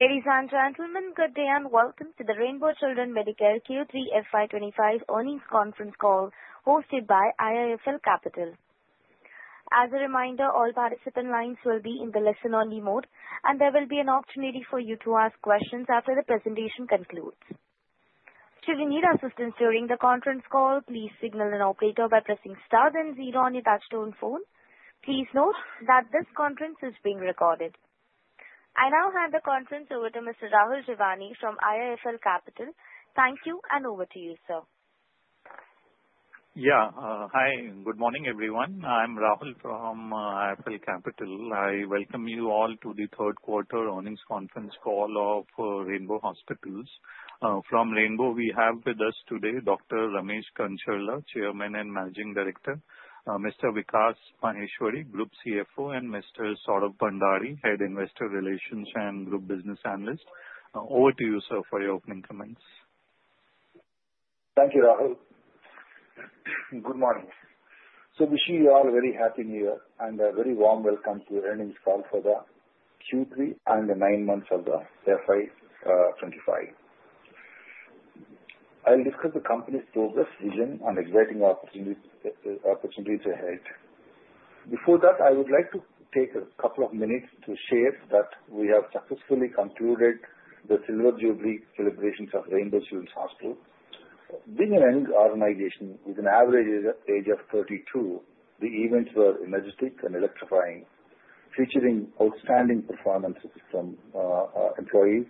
Ladies and gentlemen, good day and welcome to the Rainbow Children's Medicare Q3 FY 2025 Earnings Conference call hosted by IIFL Capital. As a reminder, all participant lines will be in the listen-only mode, and there will be an opportunity for you to ask questions after the presentation concludes. Should you need assistance during the conference call, please signal an operator by pressing star then zero on your touch-tone phone. Please note that this conference is being recorded. I now hand the conference over to Mr. Rahul Jeewani from IIFL Capital. Thank you, and over to you, sir. Yeah, hi, good morning everyone. I'm Rahul from IIFL Capital. I welcome you all to the third quarter earnings conference call of Rainbow Hospitals. From Rainbow, we have with us today Dr. Ramesh Kancharla, Chairman and Managing Director, Mr. Vikas Maheshwari, Group CFO, and Mr. Saurabh Bhandari, Head Investor Relations and Group Business Analyst. Over to you, sir, for your opening comments. Thank you, Rahul. Good morning. So wishing you all a very happy New Year and a very warm welcome to the earnings call for the Q3 and the nine months of the FY 2025. I'll discuss the company's progress, vision, and exciting opportunities ahead. Before that, I would like to take a couple of minutes to share that we have successfully concluded the Silver Jubilee celebrations of Rainbow Children's Hospital. Being an organization with an average age of 32 years, the events were energetic and electrifying, featuring outstanding performances from employees.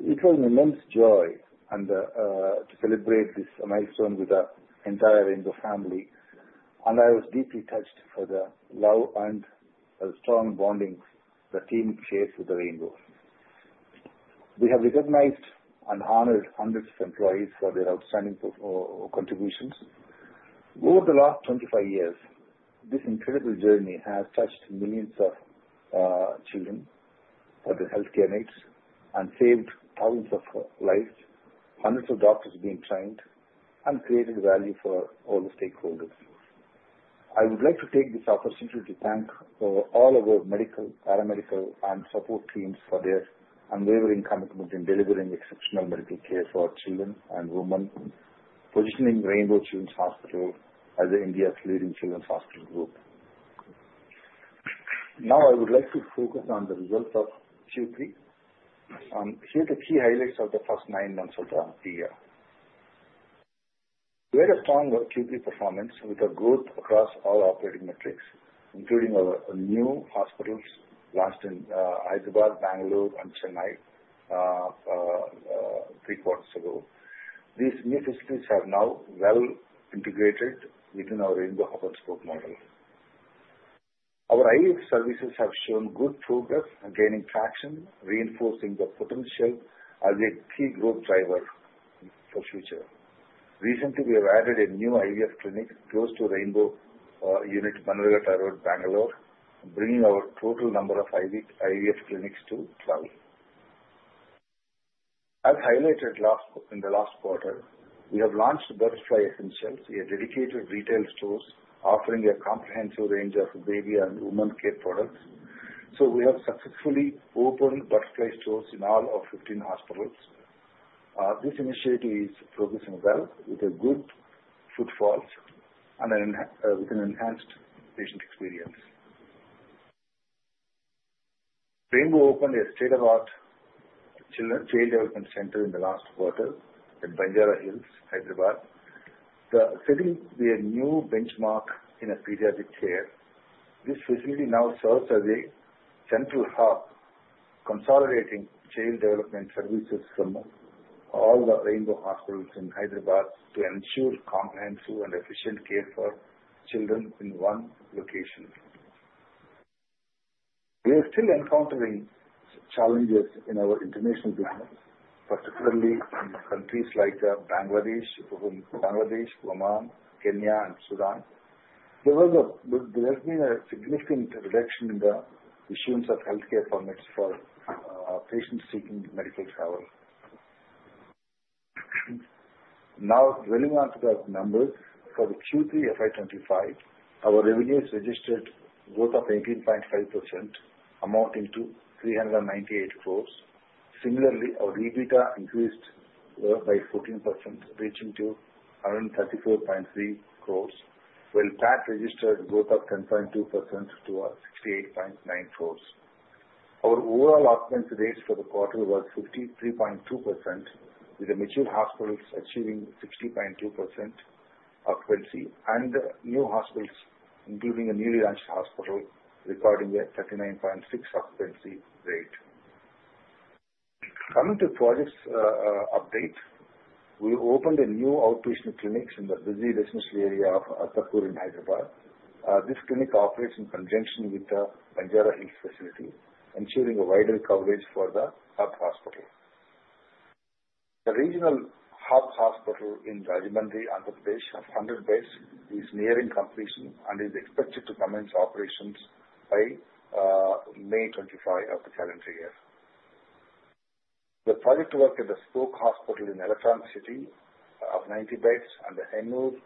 It was an immense joy and to celebrate this milestone with the entire Rainbow family, and I was deeply touched for the love and the strong bonding the team shares with the Rainbow. We have recognized and honored hundreds of employees for their outstanding contributions. Over the last 25 years, this incredible journey has touched millions of children for their healthcare needs and saved thousands of lives, hundreds of doctors being trained, and created value for all the stakeholders. I would like to take this opportunity to thank all of our medical, paramedical, and support teams for their unwavering commitment in delivering exceptional medical care for children and women, positioning Rainbow Children's Hospital as India's leading children's hospital group. Now, I would like to focus on the results of Q3 and share the key highlights of the first nine months of the year. We had a strong Q3 performance with a growth across all operating metrics, including our new hospitals launched in Hyderabad, Bangalore, and Chennai, three quarters ago. These new facilities have now well integrated within our Rainbow Hub and Spoke model. Our IVF services have shown good progress, gaining traction, reinforcing the potential as a key growth driver for the future. Recently, we have added a new IVF clinic close to Rainbow Unit, Bannerghatta Road, Bangalore, bringing our total number of IVF clinics to 12. As highlighted in the last quarter, we have launched Butterfly Essentials, a dedicated retail store offering a comprehensive range of baby and women care products. So we have successfully opened Butterfly stores in all of 15 hospitals. This initiative is progressing well with a good footfall and an enhanced patient experience. Rainbow opened a state-of-the-art children's child development center in the last quarter at Banjara Hills, Hyderabad. The setting is a new benchmark in pediatric care. This facility now serves as a central hub, consolidating child development services from all the Rainbow Hospitals in Hyderabad to ensure comprehensive and efficient care for children in one location. We are still encountering challenges in our international business, particularly in countries like Bangladesh, Oman, Kenya, and Sudan. There has been a significant reduction in the issuance of healthcare permits for patients seeking medical travel. Now, going on to the numbers, for the Q3 FY 2025, our revenues registered a growth of 18.5%, amounting to 398 crore. Similarly, our EBITDA increased by 14%, reaching to 134.3 crore, while PAT registered a growth of 10.2% to 68.9 crore. Our overall occupancy rate for the quarter was 53.2%, with the mature hospitals achieving 60.2% occupancy, and new hospitals, including a newly launched hospital, recording a 39.6% occupancy rate. Coming to projects update, we opened a new outpatient clinic in the busy residential area of Attapur in Hyderabad. This clinic operates in conjunction with the Banjara Hills facility, ensuring a wider coverage for the Hub Hospital. The regional Hub Hospital in Rajahmundry, Andhra Pradesh, of 100 beds, is nearing completion and is expected to commence operations by May 25 of the calendar year. The project work at the Spoke Hospital in Electronic City of 90 beds and the Hennur,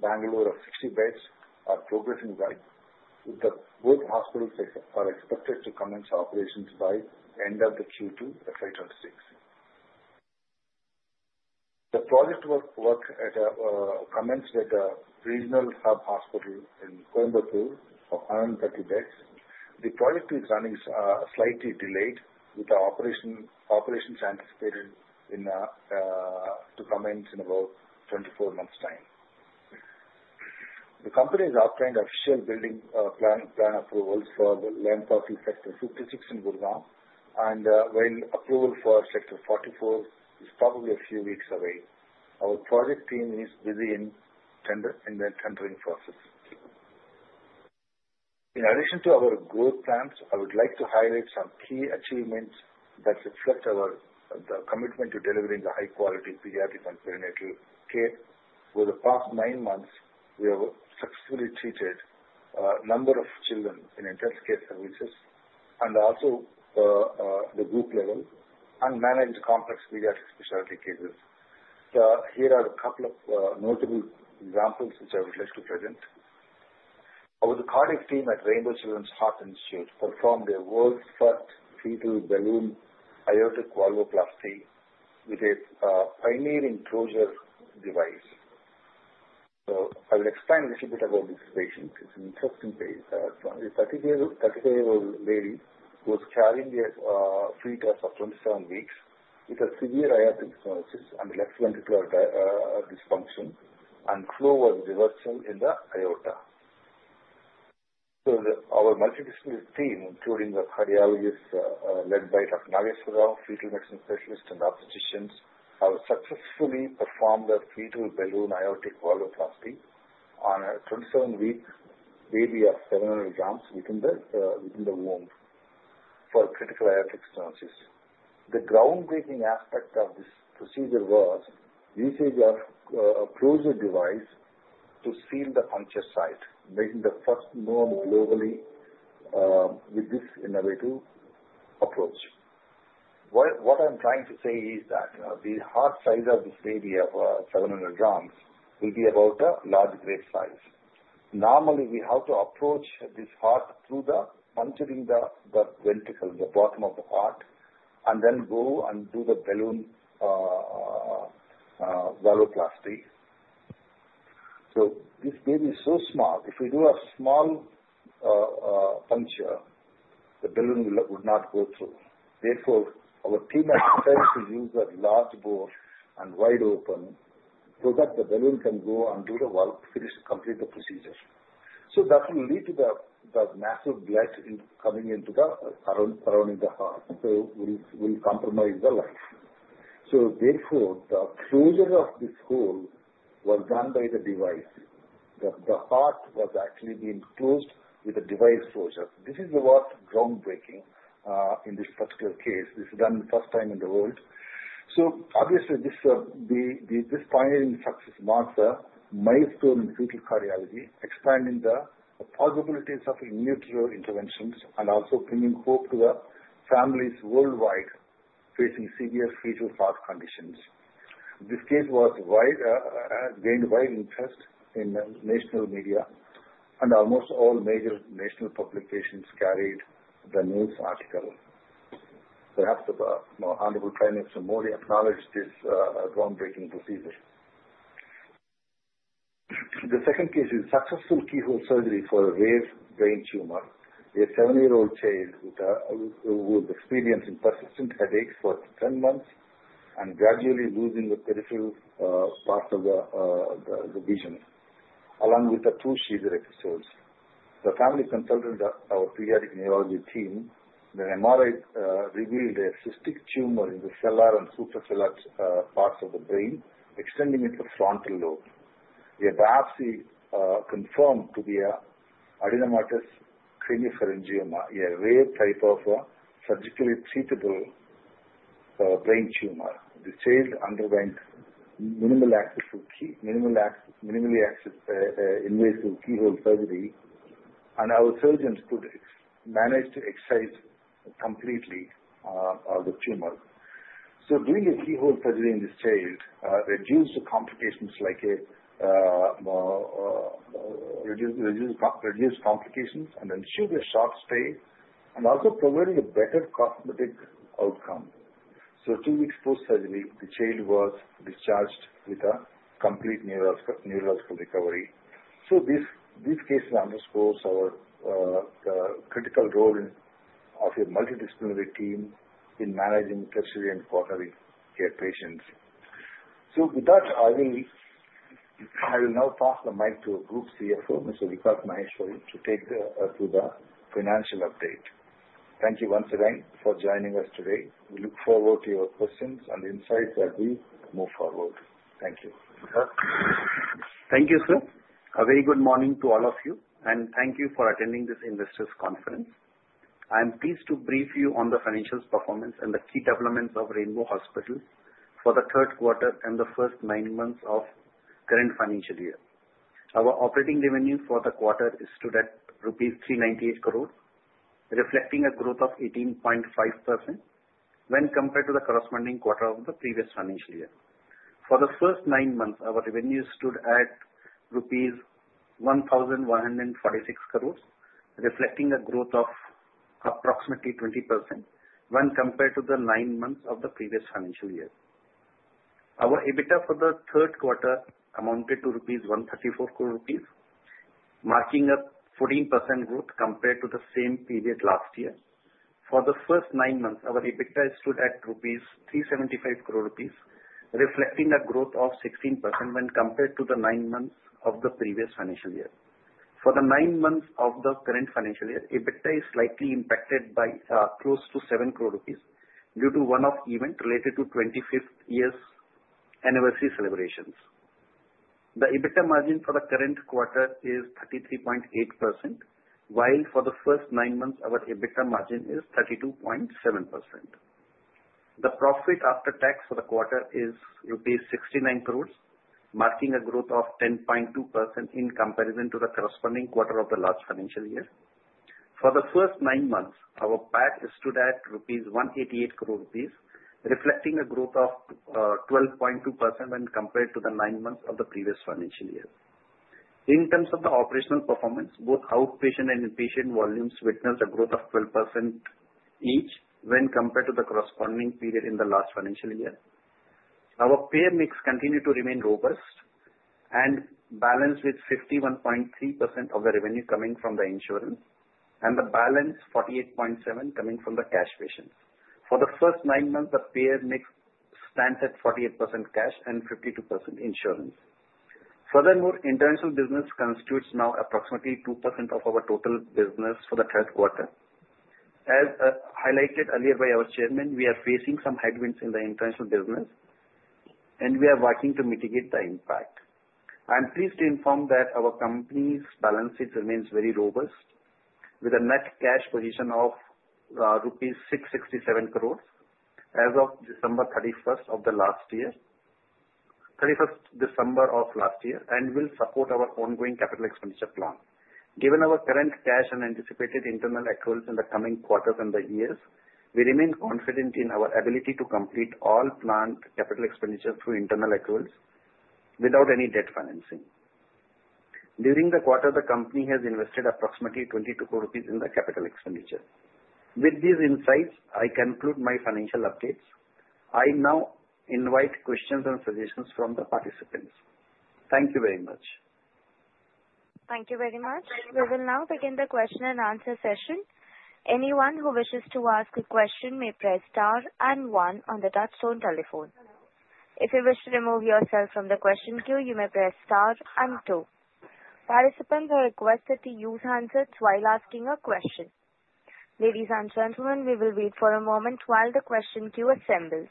Bangalore of 60 beds are progressing well, with both hospitals expected to commence operations by the end of the Q2 FY 2026. The project work has commenced at the regional Hub Hospital in Coimbatore of 130 beds. The project is running slightly delayed, with the operations anticipated to commence in about 24 months' time. The company has obtained official building plan approvals for the land property Sector 56 in Gurgaon, and while approval for Sector 44 is probably a few weeks away, our project team is busy in tendering processes. In addition to our growth plans, I would like to highlight some key achievements that reflect our commitment to delivering high-quality pediatric and perinatal care. Over the past nine months, we have successfully treated a number of children in intensive care services and also the group level and managed complex pediatric specialty cases. Here are a couple of notable examples which I would like to present. Our cardiac team at Rainbow Children's Heart Institute performed a world-first fetal balloon aortic valvoplasty with a pioneering closure device. So I will explain a little bit about this patient. It's an interesting case. It's a 30-year-old lady who was carrying a fetus of 27 weeks with a severe aortic stenosis and left ventricular dysfunction, and flow was reversal in the aorta, so our multidisciplinary team, including the cardiologists, led by Dr. Nageswara Rao, fetal medicine specialist, and obstetricians, have successfully performed a fetal balloon aortic valvoplasty on a 27-week baby of 700 grams within the womb for critical aortic stenosis. The groundbreaking aspect of this procedure was usage of a closure device to seal the puncture site, making the first known globally, with this innovative approach. What I'm trying to say is that the heart size of this baby of 700 grams will be about a large grape size. Normally, we have to approach this heart through the puncture in the ventricle, the bottom of the heart, and then go and do the balloon valvoplasty. This baby is so small. If we do a small puncture, the balloon would not go through. Therefore, our team has decided to use a large bore and wide open so that the balloon can go and do the work, finish, complete the procedure. That will lead to the massive blood coming into, surrounding the heart, so it will compromise the life. Therefore, the closure of this hole was done by the device. The heart was actually being closed with a device closure. This is what's groundbreaking in this particular case. This is done the first time in the world. Obviously, this pioneering success marks a milestone in fetal cardiology, expanding the possibilities of in utero interventions and also bringing hope to the families worldwide facing severe fetal heart conditions. This case widely gained wide interest in national media, and almost all major national publications carried the news article. Perhaps the honorable Prime Minister Modi acknowledged this groundbreaking procedure. The second case is successful keyhole surgery for a rare brain tumor in a seven-year-old child who was experiencing persistent headaches for 10 months and gradually losing the peripheral part of the vision, along with two seizure episodes. The family consulted our pediatric neurology team. The MRI revealed a cystic tumor in the sellar and suprasellar parts of the brain extending into the frontal lobe. The biopsy confirmed to be adamantinomatous craniopharyngioma, a rare type of surgically treatable brain tumor. The child underwent minimally invasive keyhole surgery, and our surgeons could manage to excise completely the tumor. Doing a keyhole surgery in this child reduced the complications, reduced complications and ensured a short stay and also provided a better cosmetic outcome. Two weeks post-surgery, the child was discharged with a complete neurological recovery. This case underscores the critical role of a multidisciplinary team in managing tertiary and quaternary care patients. With that, I will now pass the mic to our Group CFO, Mr. Vikas Maheshwari, to take to the financial update. Thank you once again for joining us today. We look forward to your questions and insights as we move forward. Thank you. Thank you, sir. A very good morning to all of you, and thank you for attending this investors conference. I'm pleased to brief you on the financial performance and the key developments of Rainbow Hospital for the third quarter and the first nine months of the current financial year. Our operating revenue for the quarter stood at rupees 398 crore, reflecting a growth of 18.5% when compared to the corresponding quarter of the previous financial year. For the first nine months, our revenue stood at rupees 1,146 crore, reflecting a growth of approximately 20% when compared to the nine months of the previous financial year. Our EBITDA for the third quarter amounted to 134 crore rupees, marking a 14% growth compared to the same period last year. For the first nine months, our EBITDA stood at 375 crore rupees, reflecting a growth of 16% when compared to the nine months of the previous financial year. For the nine months of the current financial year, EBITDA is slightly impacted by close to 7 crore rupees due to one-off event related to 25th year's anniversary celebrations. The EBITDA margin for the current quarter is 33.8%, while for the first nine months, our EBITDA margin is 32.7%. The profit after tax for the quarter is rupees 69 crore, marking a growth of 10.2% in comparison to the corresponding quarter of the last financial year. For the first nine months, our PAT stood at 188 crore rupees, reflecting a growth of 12.2% when compared to the nine months of the previous financial year. In terms of the operational performance, both outpatient and inpatient volumes witnessed a growth of 12% each when compared to the corresponding period in the last financial year. Our payer mix continued to remain robust and balanced with 51.3% of the revenue coming from the insurance and the balance 48.7% coming from the cash patients. For the first nine months, the payer mix stands at 48% cash and 52% insurance. Furthermore, international business constitutes now approximately 2% of our total business for the third quarter. As highlighted earlier by our chairman, we are facing some headwinds in the international business, and we are working to mitigate the impact. I'm pleased to inform that our company's balance sheet remains very robust, with a net cash position of rupees 667 crore as of December 31st of the last year, and will support our ongoing capital expenditure plan. Given our current cash and anticipated internal accruals in the coming quarters and the years, we remain confident in our ability to complete all planned capital expenditures through internal accruals without any debt financing. During the quarter, the company has invested approximately 22 crore rupees in the capital expenditure. With these insights, I conclude my financial updates. I now invite questions and suggestions from the participants. Thank you very much. Thank you very much. We will now begin the question and answer session. Anyone who wishes to ask a question may press star and one on the touchtone telephone. If you wish to remove yourself from the question queue, you may press star and two. Participants are requested to use handsets while asking a question. Ladies and gentlemen, we will wait for a moment while the question queue assembles.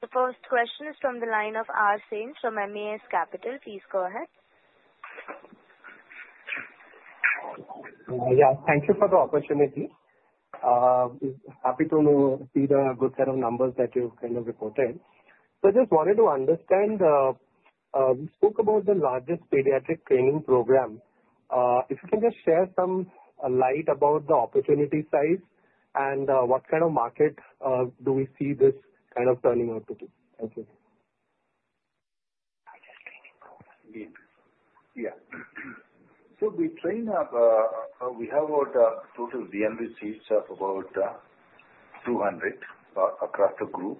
The first question is from the line of R. Sen from MAS Capital. Please go ahead. Yeah, thank you for the opportunity. Happy to see the good set of numbers that you've kind of reported. So I just wanted to understand, we spoke about the largest pediatric training program. If you can just shed some light about the opportunity size and, what kind of market, do we see this kind of turning out to be? Thank you. Yeah. So we train up. We have about total DNB seats of about 200 across the group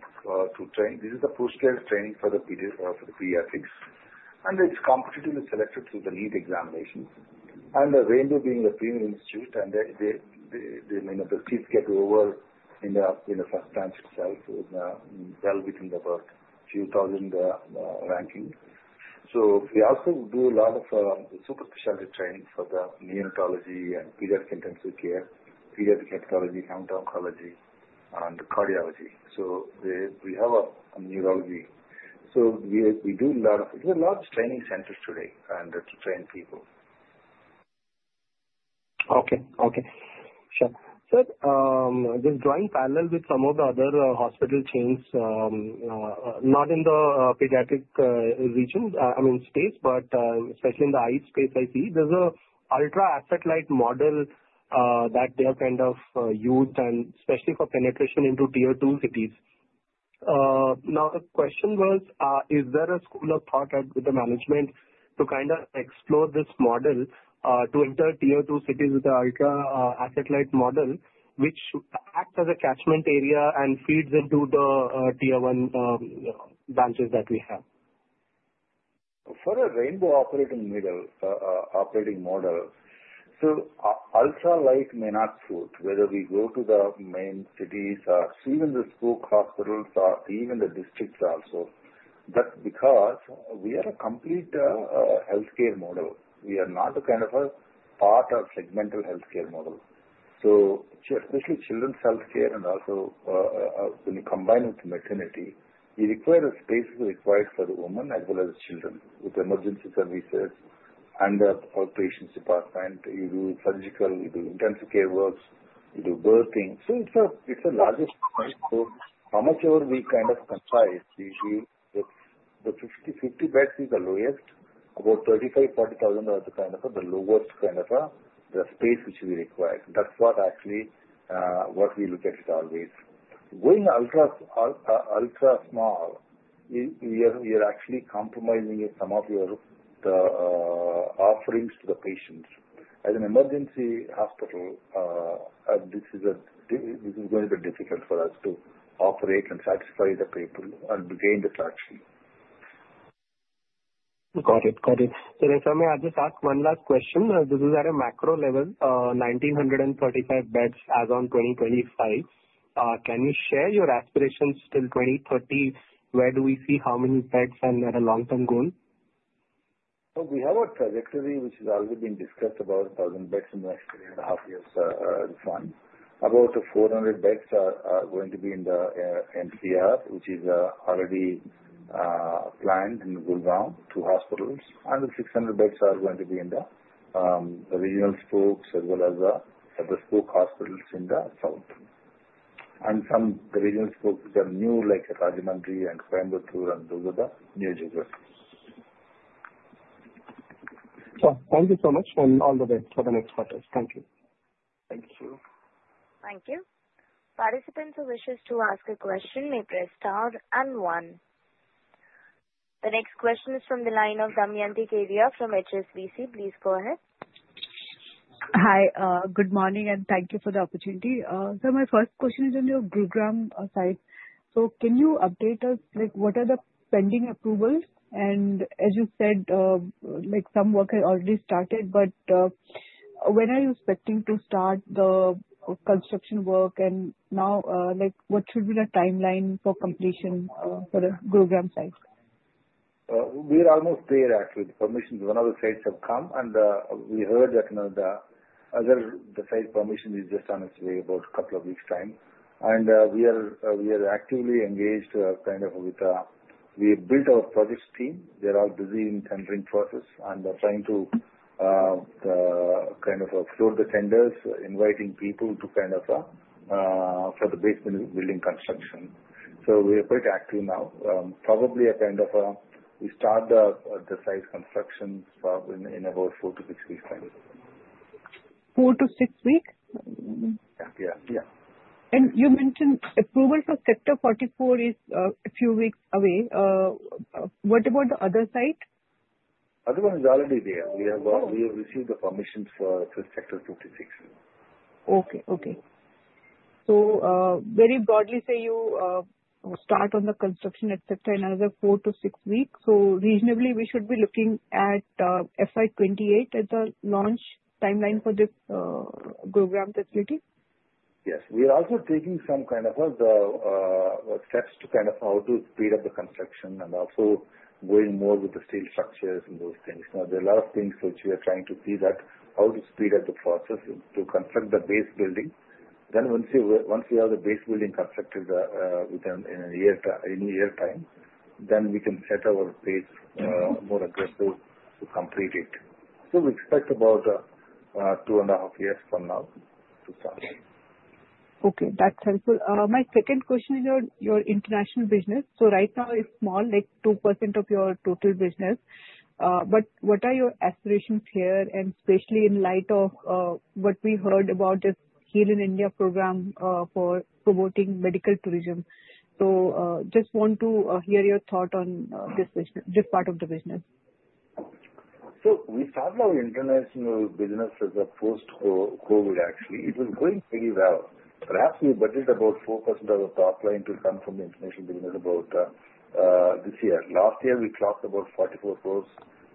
to train. This is a postgraduate training for the pediatrics, and it's competitively selected through the NEET examination. And Rainbow being the premier institute, and they you know the seats get filled in the first time itself, well within about 2,000 ranking. So we also do a lot of super specialty training for the neonatology and pediatric intensive care, pediatric hepatology, endocrinology, and cardiology. So we have neurology. So we do a lot of. There are a lot of training centers today to train people. Okay. Sure. So, just drawing parallel with some of the other hospital chains, not in the pediatric region, I mean space, but especially in the eye space, I see there's an asset-light model that they have kind of used and especially for penetration into tier two cities. Now the question was, is there a school of thought within the management to kind of explore this model, to enter tier two cities with the asset-light model, which acts as a catchment area and feeds into the tier one branches that we have? For a Rainbow operating model, ultra light may not suit whether we go to the main cities or even the Spoke hospitals or even the districts also. That's because we are a complete healthcare model. We are not a kind of a part of segmental healthcare model. So, especially children's healthcare and also, when you combine with maternity, you require a space required for the woman as well as the children with emergency services and the outpatient department. You do surgical, you do intensive care works, you do birthing. So it's a larger space. So however much ever we kind of compromise, usually the 50-50 beds is the lowest, about 35,000-40,000, the lowest kind of space which we require. That's what actually what we look at it always. Going ultra small, you're actually compromising some of your offerings to the patients. As an emergency hospital, this is going to be difficult for us to operate and satisfy the people and gain the traction. Got it. Got it. So if I may, I'll just ask one last question. This is at a macro level, 1,935 beds as of 2025. Can you share your aspirations till 2030? Where do we see how many beds and at a long-term goal? So we have a trajectory which has already been discussed about 1,000 beds in the next three and a half years. About 400 beds are going to be in the NCR, which is already planned in the Gurgaon two hospitals, and the 600 beds are going to be in the regional spokes as well as the spoke hospitals in the south. Some regional spokes that are new, like Rajahmundry and Coimbatore and those in the new geographies. Thank you so much and all the best for the next quarter. Thank you. Thank you. Thank you. Participants who wishes to ask a question may press star and one. The next question is from the line of Damayanti Kerai from HSBC. Please go ahead. Hi, good morning and thank you for the opportunity. So my first question is on your Gurgaon site. So can you update us, like, what are the pending approvals? And as you said, like, some work has already started, but, when are you expecting to start the construction work? And now, like, what should be the timeline for completion, for the Gurgaon site? We're almost there actually. The permissions of one of the sites have come, and we heard that, you know, the other site permission is just on its way about a couple of weeks' time, and we are actively engaged kind of with; we built our project team. They're all busy in the tendering process, and they're trying to kind of float the tenders, inviting people to kind of for the basement building construction. So we're quite active now. Probably kind of we start the site construction probably in about four weeks-six weeks' time. Four weeks-six weeks? Yeah. Yeah. Yeah. You mentioned approval for Sector 44 is a few weeks away. What about the other site? Other one is already there. We have received the permission for Sector 56. Okay. So, very broadly, say you start on the construction, etc., in another four to six weeks. So reasonably, we should be looking at FY 2028 as the launch timeline for this Gurgaon facility? Yes. We are also taking some kind of steps to kind of how to speed up the construction and also going more with the steel structures and those things. Now, there are a lot of things which we are trying to see that how to speed up the process to construct the base building. Then once we have the base building constructed, within a year time, then we can set our pace more aggressive to complete it. So we expect about two and a half years from now to start. Okay. That's helpful. My second question is your international business. So right now, it's small, like 2% of your total business. But what are your aspirations here? And especially in light of what we heard about this Heal in India program for promoting medical tourism. So just want to hear your thought on this business, this part of the business. So we started our international business as a post-COVID actually. It was going pretty well. Perhaps we budget about 4% of the top line to come from the international business about this year. Last year, we clocked about 44 crore.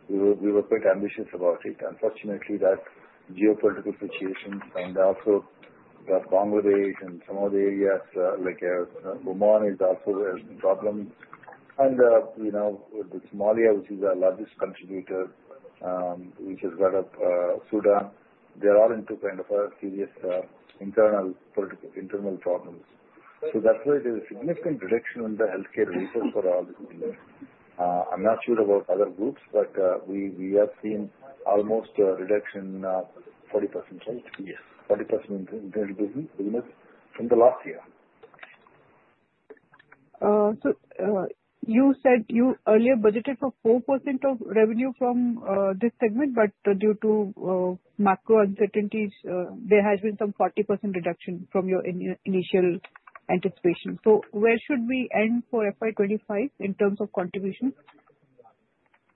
We were quite ambitious about it. Unfortunately, that geopolitical situation and also the Congo region and some other areas, like Oman is also a problem. And you know, with Somalia, which is our largest contributor, Sudan, they're all into kind of a serious internal political problems. So that's why there's a significant reduction in the healthcare visas for all these things. I'm not sure about other groups, but we have seen almost a reduction 40%, right? Yes. 40% in the business from the last year. So, you said you earlier budgeted for 4% of revenue from this segment, but due to macro uncertainties, there has been some 40% reduction from your initial anticipation. So where should we end for FY 2025 in terms of contribution?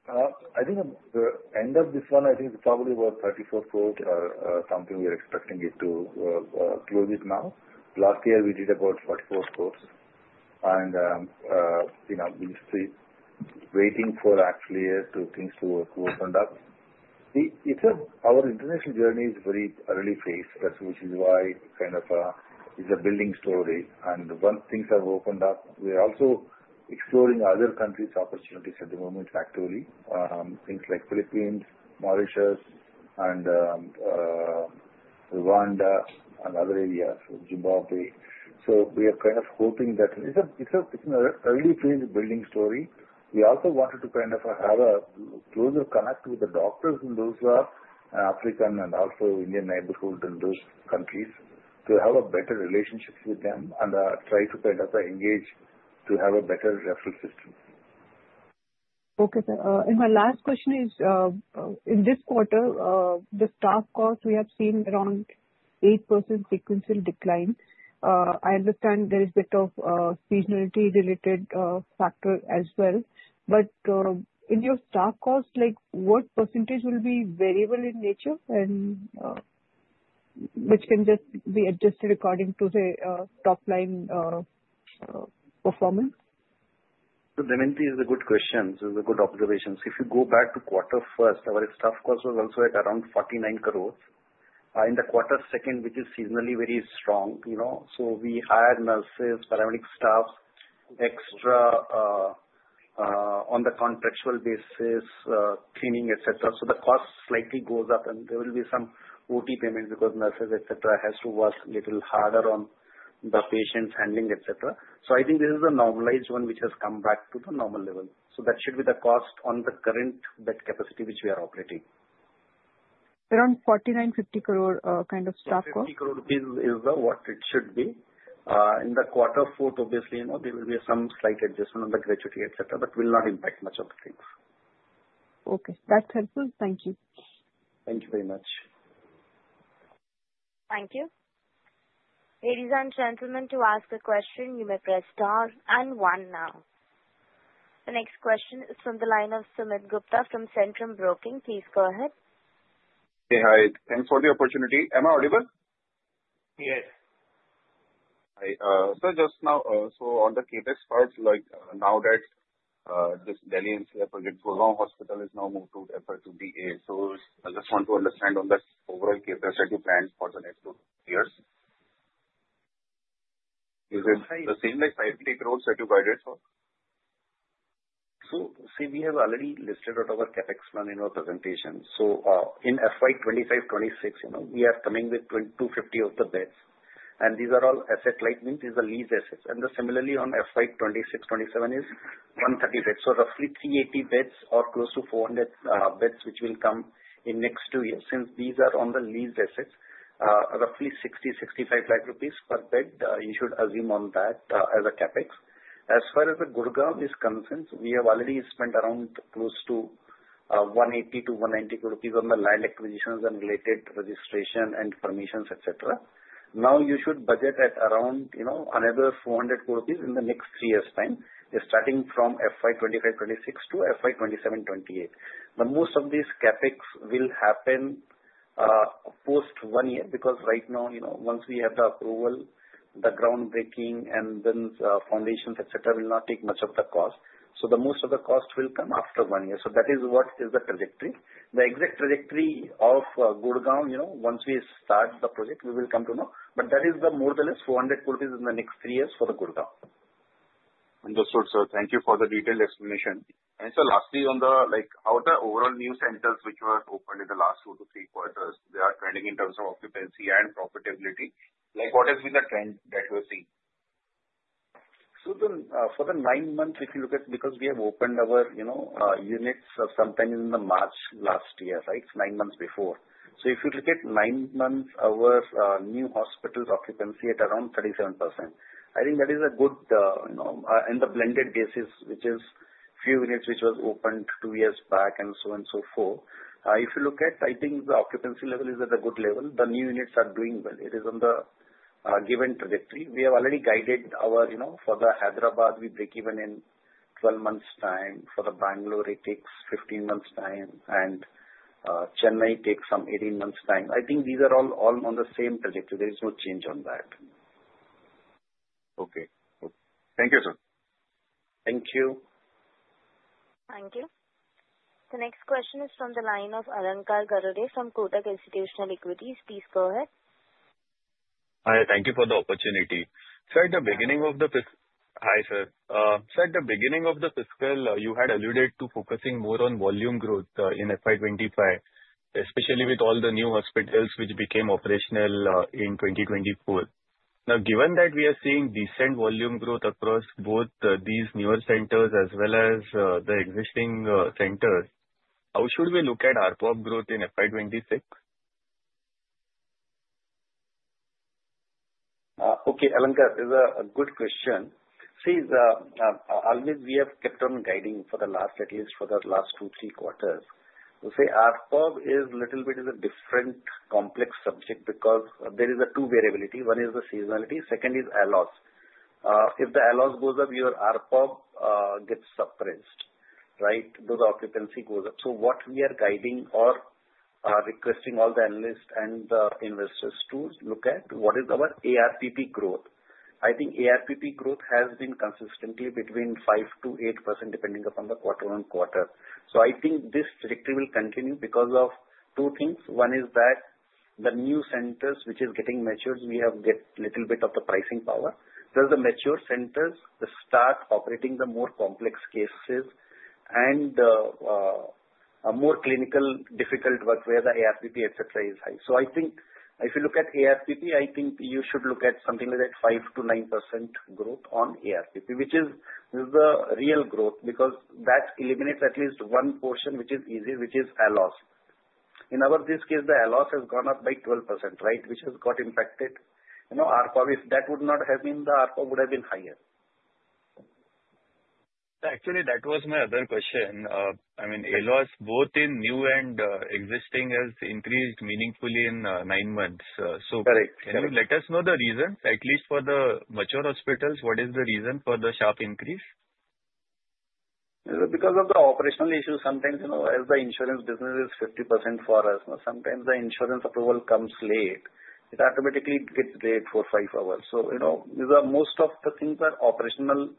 I think at the end of this one, I think it's probably about 34 crore, something we are expecting it to close to now. Last year, we did about 44 crore. You know, we just see waiting for actually two things to open up. See, it's our international journey is very early phase, which is why kind of it's a building story. Once things have opened up, we are also exploring other countries' opportunities at the moment, actually: things like Philippines, Mauritius, and Rwanda and other areas, Zimbabwe. We are kind of hoping that it's an early phase building story. We also wanted to kind of have a closer connect with the doctors in those African and also Indian neighborhoods in those countries to have a better relationship with them and try to kind of engage to have a better referral system. Okay. So, and my last question is, in this quarter, the staff cost, we have seen around 8% sequential decline. I understand there is a bit of seasonality-related factor as well. But, in your staff cost, like, what percentage will be variable in nature and which can just be adjusted according to, say, top line performance? Damayanti is a good question. This is a good observation. So if you go back to first quarter, our staff cost was also at around 49 crore. In the second quarter, which is seasonally very strong, you know, so we hired nurses, paramedic staff, extra, on the contractual basis, cleaning, etc. So the cost slightly goes up, and there will be some OT payment because nurses, etc., has to work a little harder on the patient's handling, etc. So I think this is a normalized one which has come back to the normal level. So that should be the cost on the current bed capacity which we are operating. Around 49 crore-50 crore, kind of staff cost? 50 crore is what it should be. In the fourth quarter, obviously, you know, there will be some slight adjustment on the graduating, etc., but will not impact much of the things. Okay. That's helpful. Thank you. Thank you very much. Thank you. Ladies and gentlemen, to ask a question, you may press star and one now. The next question is from the line of Sumit Gupta from Centrum Broking. Please go ahead. Hey, hi. Thanks for the opportunity. Am I audible? Yes. Hi. So just now, so on the CapEx part, like, now that, this Delhi NCR project, Gurgaon Hospital is now moved to FY 2028, so I just want to understand on the overall CapEx set of plans for the next two years. Is it the same like 58 crore that you guided for? See, we have already listed out our CapEx plan in our presentation. In FY 2025, 2026, you know, we are coming with 2250 beds. These are all asset-light means these are leased assets. Then similarly in FY 2026, 2027 is 130 beds. So roughly 380 beds or close to 400 beds which will come in next two years. Since these are on the leased assets, roughly 60 lakh-65 lakh rupees per bed, you should assume on that as a CapEx. As far as Gurgaon is concerned, we have already spent around close to 180 crore-190 crore rupees on land acquisitions and related registration and permissions, etc. Now you should budget at around, you know, another 400 crore rupees in the next three years' time, starting from FY 2025, 2026 to FY 2027, 2028. The most of these CapEx will happen post one year because right now, you know, once we have the approval, the groundbreaking and then foundations, etc., will not take much of the cost. So the most of the cost will come after one year. So that is what is the trajectory. The exact trajectory of Gurgaon, you know, once we start the project, we will come to know. But that is more or less 400 crores rupees in the next three years for the Gurgaon. Understood, sir. Thank you for the detailed explanation. And so lastly on the, like, how the overall new centers which were opened in the last two to three quarters, they are trending in terms of occupancy and profitability. Like, what has been the trend that you have seen? So, for the nine months, if you look at, because we have opened our, you know, units sometime in March last year, right, nine months before. So if you look at nine months, our new hospital occupancy at around 37%. I think that is a good, you know, in the blended basis, which is few units which were opened two years back and so on and so forth. If you look at, I think the occupancy level is at a good level. The new units are doing well. It is on the given trajectory. We have already guided our, you know, for the Hyderabad, we break even in 12 months' time. For the Bangalore, it takes 15 months' time, and Chennai takes some 18 months' time. I think these are all on the same trajectory. There is no change on that. Okay. Thank you, sir. Thank you. Thank you. The next question is from the line of Alankar Garude from Kotak Institutional Equities. Please go ahead. Hi. Thank you for the opportunity. So at the beginning of the fiscal, you had alluded to focusing more on volume growth in FY 2025, especially with all the new hospitals which became operational in 2024. Now, given that we are seeing decent volume growth across both these newer centers as well as the existing centers, how should we look at ARPOB growth in FY 2026? Okay, Alankar, there's a good question. See, always we have kept on guiding for the last at least two, three quarters. So say ARPOB is a little bit of a different complex subject because there are two variabilities. One is the seasonality. Second is ALOS. If the ALOS goes up, your ARPOB gets suppressed, right? Thus occupancy goes up. So what we are guiding or requesting all the analysts and the investors to look at what is our ARPP growth. I think ARPP growth has been consistently between 5%-8% depending upon the quarter-on-quarter. So I think this trajectory will continue because of two things. One is that the new centers which are getting matured, we have get a little bit of the pricing power. Those are the mature centers that start operating the more complex cases and the more clinical difficult work where the ARPP, etc., is high. So I think if you look at ARPP, I think you should look at something like that 5%-9% growth on ARPP, which is, this is the real growth because that eliminates at least one portion which is easier, which is ALOS. In our this case, the ALOS has gone up by 12%, right, which has got impacted. You know, ARPOB, if that would not have been, the ARPOB would have been higher. Actually, that was my other question. I mean, ALOS, both in new and existing, has increased meaningfully in nine months. So. Correct. Can you let us know the reason, at least for the mature hospitals, what is the reason for the sharp increase? It's because of the operational issues. Sometimes, you know, as the insurance business is 50% for us, sometimes the insurance approval comes late. It automatically gets delayed four, five hours. So, you know, these are most of the things operational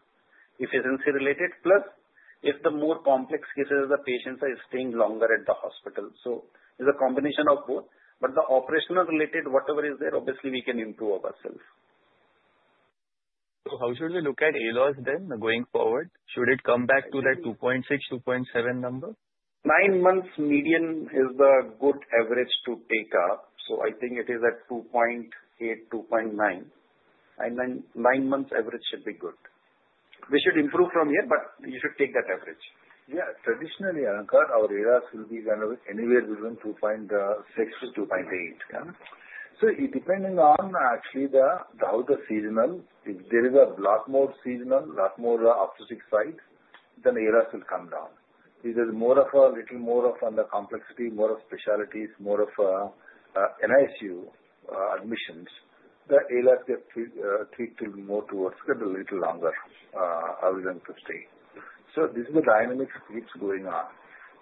efficiency-related. Plus, if the more complex cases, the patients are staying longer at the hospital. So it's a combination of both. But the operational-related, whatever is there, obviously we can improve ourselves. So how should we look at ALOS then going forward? Should it come back to that 2.6, 2.7 number? Nine months median is the good average to take up. So I think it is at 2.8, 2.9, and then nine months average should be good. We should improve from here, but you should take that average. Yeah. Traditionally, Alankar, our ALOS will be kind of anywhere between 2.6-2.8. So it depends on actually how the seasonal, if there is a lot more seasonal, a lot more outpatient side, then the ALOS will come down. If there's more of the complexity, more of specialties, more of NICU admissions, the ALOS get treated more towards a little longer length of stay. So this is the dynamics which keeps going on.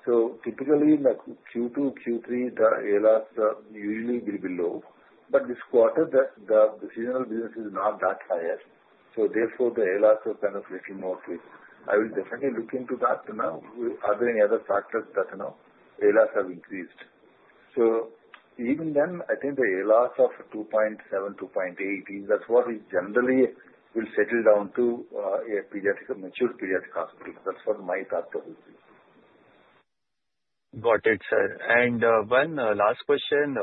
So typically in the Q2, Q3, the ALOS usually will be low. But this quarter, the seasonal business is not that higher. So therefore the ALOS are kind of a little more treated. I will definitely look into that, you know, are there any other factors that, you know, ALOS have increased. So even then, I think the ALOS of 2.7, 2.8, that's what we generally will settle down to, a mature pediatric hospital. That's what my thought process is. Got it, sir. And one last question.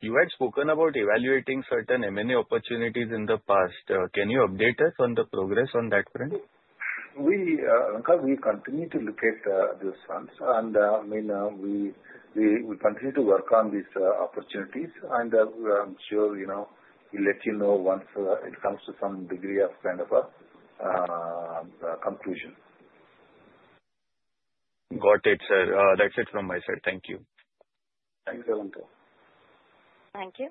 You had spoken about evaluating certain M&A opportunities in the past. Can you update us on the progress on that front? We, Alankar, continue to look at those funds. I mean, we continue to work on these opportunities. I'm sure, you know, we'll let you know once it comes to some degree of kind of a conclusion. Got it, sir. That's it from my side. Thank you. Thanks, Alankar. Thank you.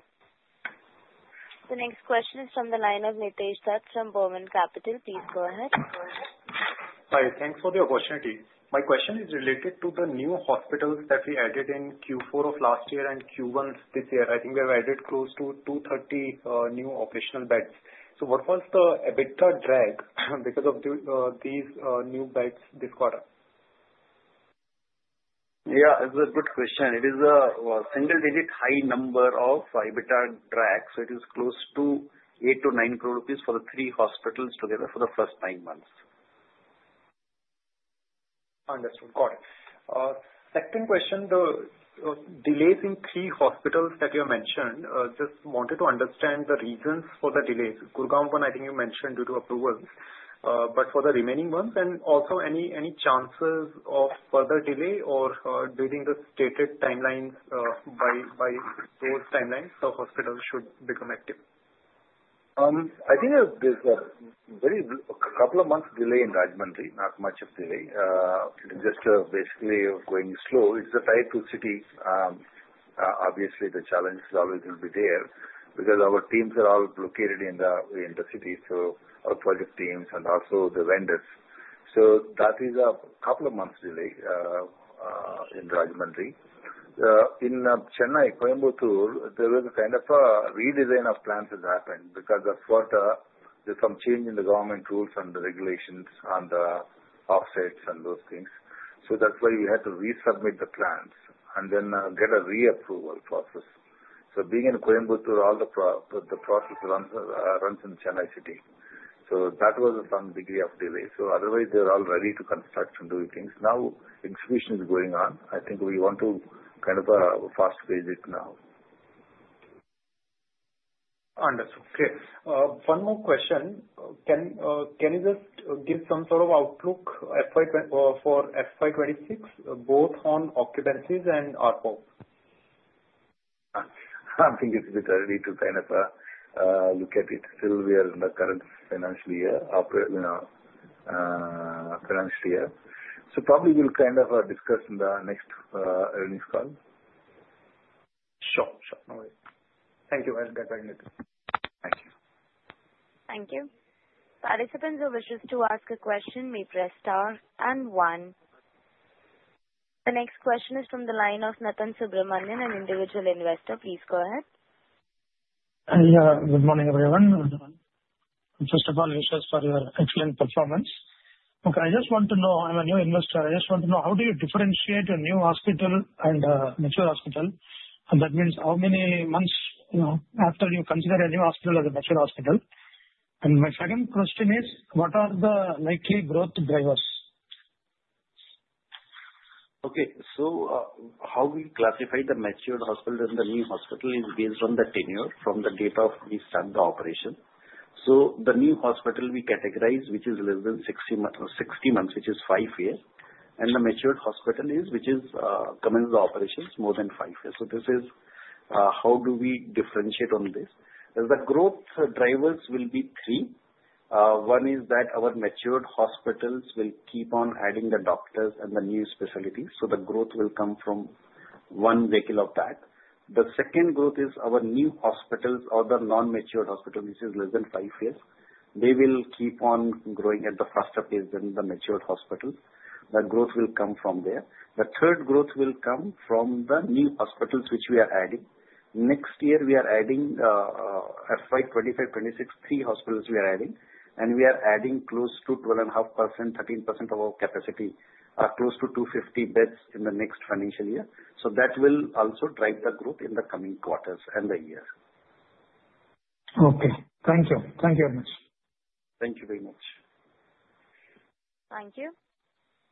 The next question is from the line of Nitesh Dutt from Burman Capital. Please go ahead. Hi. Thanks for the opportunity. My question is related to the new hospitals that we added in Q4 of last year and Q1 this year. I think we have added close to 230 new operational beds. So what was the EBITDA drag because of these new beds this quarter? Yeah. It's a good question. It is a single-digit high number of EBITDA drag. So it is close to 8 crore-9 crore rupees for the three hospitals together for the first nine months. Understood. Got it. Second question, the delays in three hospitals that you have mentioned, just wanted to understand the reasons for the delays. Gurgaon one, I think you mentioned due to approvals, but for the remaining ones, and also any chances of further delay or during the stated timelines, by those timelines, the hospitals should become active? I think there's a mere couple of months delay in Rajahmundry, not much of delay. It is just basically going slow. It's tight to the city, obviously the challenge is always going to be there because our teams are all located in the city, so our project teams and also the vendors. So that is a couple of months delay in Rajahmundry. In Chennai, Coimbatore, there was a kind of a redesign of plans that happened because of some change in the government rules and the regulations and the offsets and those things. So that's why we had to resubmit the plans and then get a reapproval process. So being in Coimbatore, all the process runs in Chennai city. So that was some degree of delay. So otherwise they're all ready to construct and do things. Now execution is going on. I think we want to kind of fast pace it now. Understood. Okay. One more question. Can you just give some sort of outlook for FY 2026, both on occupancies and ARPOB? I think it's a bit early to kind of look at it. Still we are in the current financial year, operating, you know, financial year. So probably we'll kind of discuss in the next earnings call. Sure. Sure. No worries. Thank you, Alankar. Thank you. Thank you. Participants who wish to ask a question may press star and one. The next question is from the line of Nathan Subramanian, an individual investor. Please go ahead. Yeah. Good morning, everyone. First of all, wish us for your excellent performance. Okay. I just want to know, I'm a new investor. I just want to know how do you differentiate a new hospital and a mature hospital? And that means how many months, you know, after you consider a new hospital as a mature hospital? And my second question is, what are the likely growth drivers? Okay. So, how we classify the matured hospital and the new hospital is based on the tenure from the date of we start the operation. So the new hospital we categorize, which is less than 60 months, which is five years. And the matured hospital is commenced the operations more than five years. So this is how we differentiate on this? The growth drivers will be three. One is that our matured hospitals will keep on adding the doctors and the new specialties. So the growth will come from one vehicle of that. The second growth is our new hospitals or the non-matured hospitals, which is less than five years. They will keep on growing at the faster pace than the matured hospitals. That growth will come from there. The third growth will come from the new hospitals which we are adding. Next year we are adding in FY 2025, 2026, three hospitals we are adding, and we are adding close to 12.5%-13% of our capacity, close to 250 beds in the next financial year, so that will also drive the growth in the coming quarters and the year. Okay. Thank you. Thank you very much. Thank you very much. Thank you.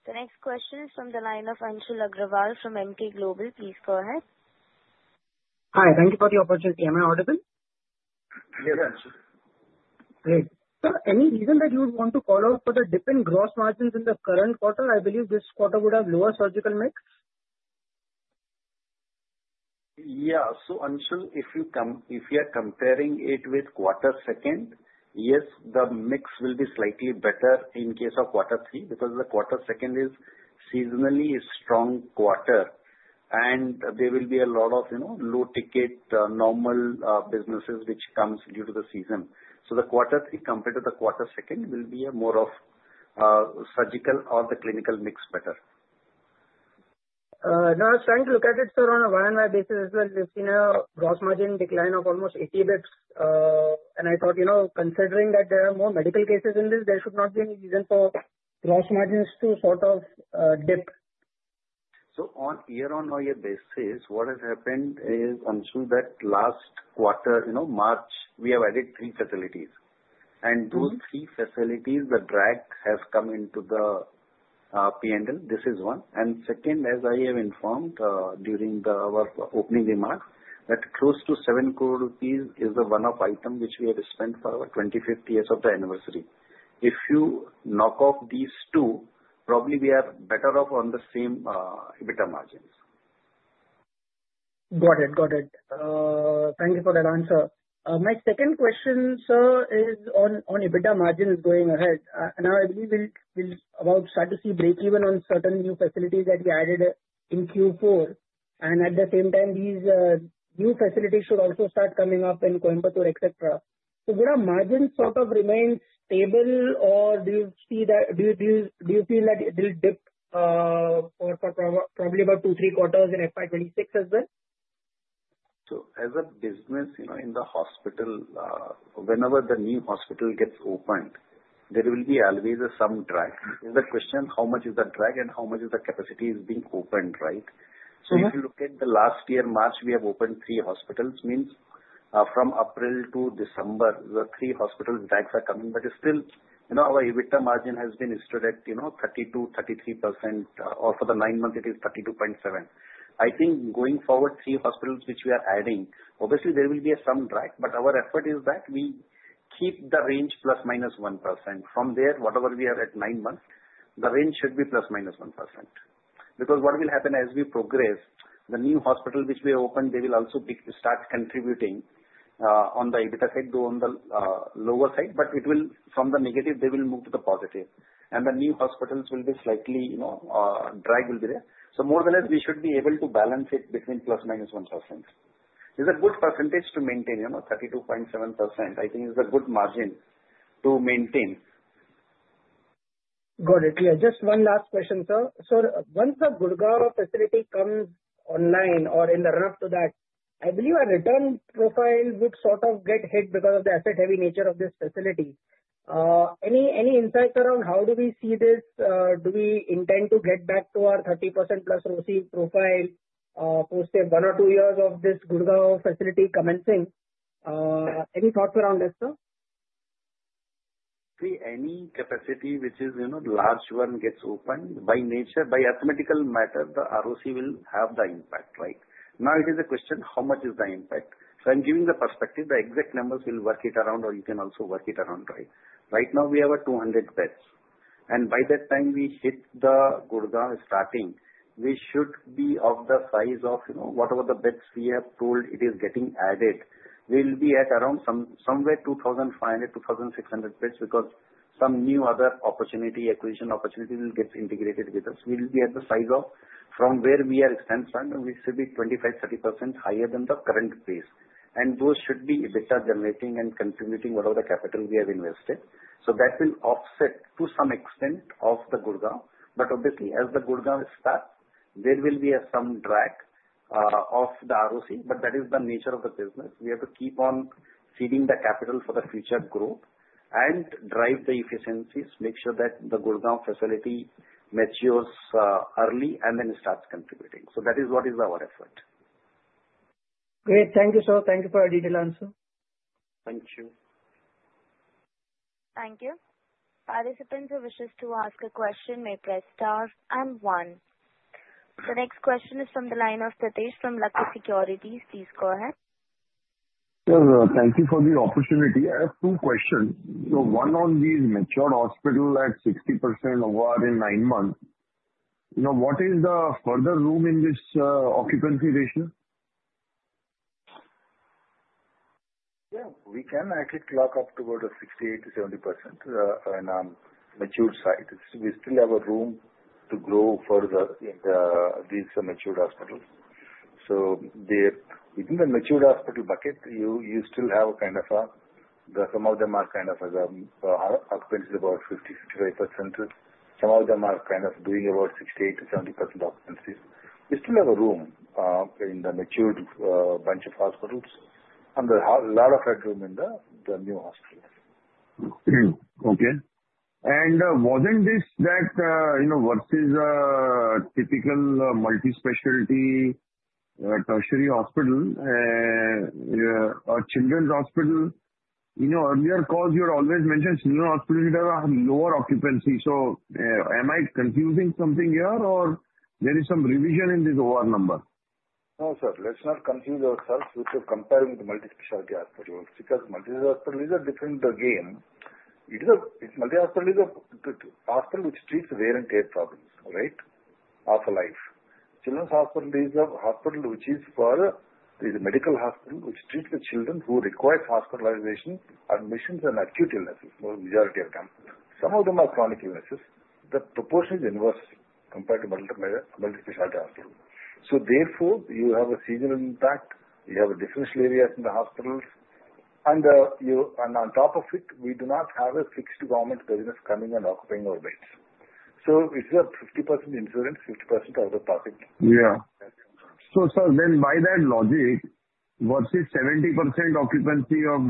The next question is from the line of Anshul Agrawal from Emkay Global. Please go ahead. Hi. Thank you for the opportunity. Am I audible? Yes, Anshul. Great. Any reason that you would want to call out for the dip in gross margins in the current quarter? I believe this quarter would have lower surgical mix. Yeah. So Anshul, if you come, if you are comparing it with quarter second, yes, the mix will be slightly better in case of quarter three because the quarter second is seasonally strong quarter. And there will be a lot of, you know, low ticket, normal, businesses which comes due to the season. So the quarter three compared to the quarter second will be more of, surgical or the clinical mix better. No, I was trying to look at it, sir, on a YoY basis as well. We've seen a gross margin decline of almost 80 basis points, and I thought, you know, considering that there are more medical cases in this, there should not be any reason for gross margins to sort of dip. So on year-on-year basis, what has happened is, Anshul, that last quarter, you know, March, we have added three facilities. And those three facilities, the drag has come into the P&L. This is one. And second, as I have informed, during our opening remarks, that close to 70 million rupees is the one-off item which we have spent for our 25th year of the anniversary. If you knock off these two, probably we are better off on the same EBITDA margins. Got it. Got it. Thank you for that answer. My second question, sir, is on EBITDA margins going ahead. Now I believe we'll about start to see break-even on certain new facilities that we added in Q4. And at the same time, these new facilities should also start coming up in Coimbatore, etc. So would our margins sort of remain stable, or do you see that, do you feel that it will dip for probably about two, three quarters in FY 2026 as well? So as a business, you know, in the hospital, whenever the new hospital gets opened, there will be always some drag. The question, how much is the drag and how much is the capacity is being opened, right? So if you look at the last year, March, we have opened three hospitals, means, from April to December, the three hospitals' drags are coming. But it's still, you know, our EBITDA margin has been stood at, you know, 32%-33%, or for the nine months, it is 32.7%. I think going forward, three hospitals which we are adding, obviously there will be some drag. But our effort is that we keep the range ±1%. From there, whatever we are at nine months, the range should be ±1%. Because what will happen as we progress, the new hospital which we have opened, they will also be start contributing, on the EBITDA side, though on the lower side. But it will, from the negative, they will move to the positive. And the new hospitals will be slightly, you know, drag will be there. So more or less, we should be able to balance it between ±1%. It's a good percentage to maintain, you know, 32.7%. I think it's a good margin to maintain. Got it. Yeah. Just one last question, sir. So once the Gurgaon facility comes online or in the run-up to that, I believe our return profile would sort of get hit because of the asset-heavy nature of this facility. Any insights around how we see this? Do we intend to get back to our 30%+ ROCE profile post one or two years of this Gurgaon facility commencing? Any thoughts around this, sir? See, any capacity which is, you know, large one gets opened by nature, by arithmetical matter. The ROCE will have the impact, right? Now it is a question, how much is the impact, so I'm giving the perspective. The exact numbers will work it around, or you can also work it around, right? Right now we have 200 beds, and by that time we hit the Gurgaon starting, we should be of the size of, you know, whatever the beds we have told it is getting added. We'll be at around some, somewhere 2,500 beds-2,600 beds because some new other opportunity, acquisition opportunity will get integrated with us. We'll be at the size of from where we are expense, and we should be 25%-30% higher than the current base, and those should be EBITDA generating and contributing whatever the capital we have invested. So that will offset to some extent of the Gurgaon. But obviously, as the Gurgaon starts, there will be some drag, of the ROCE. But that is the nature of the business. We have to keep on feeding the capital for the future growth and drive the efficiencies, make sure that the Gurgaon facility matures, early and then it starts contributing. So that is what is our effort. Great. Thank you, sir. Thank you for your detailed answer. Thank you. Thank you. Participants who wish to ask a question may press star and one. The next question is from the line of Satish from Lucky Securities. Please go ahead. Sir, thank you for the opportunity. I have two questions. You know, one on the matured hospital at 60% over in nine months, you know, what is the further room in this, occupancy ratio? Yeah. We can actually clock up toward a 68%-70%, on, matured sites. We still have a room to grow further in, these matured hospitals. So there, within the matured hospital bucket, you still have a kind of, some of them are kind of, the occupancy is about 50%-55%. Some of them are kind of doing about 68%-70% occupancy. We still have a room, in the matured, bunch of hospitals and a lot of headroom in the, the new hospitals. Okay. And, wasn't this that, you know, versus a typical multi-specialty, tertiary hospital, or children's hospital, you know, earlier calls you had always mentioned new hospitals that are lower occupancy. So, am I confusing something here or there is some revision in this OR number? No, sir. Let's not confuse ourselves with comparing multi-specialty hospitals because multi-specialty is a different game. It is, it's multi-specialty is a hospital which treats wear and tear problems, right, of life. Children's hospital is a hospital which is for, it's a medical hospital which treats the children who require hospitalization, admissions, and acute illnesses, majority of them. Some of them are chronic illnesses. The proportion is inverse compared to multi-specialty hospitals. So therefore you have a seasonal impact, you have a differential area in the hospitals. And on top of it, we do not have a fixed government business coming and occupying our beds. So it's 50% insurance, 50% out-of-pocket. Yeah. So, sir, then by that logic, versus 70% occupancy of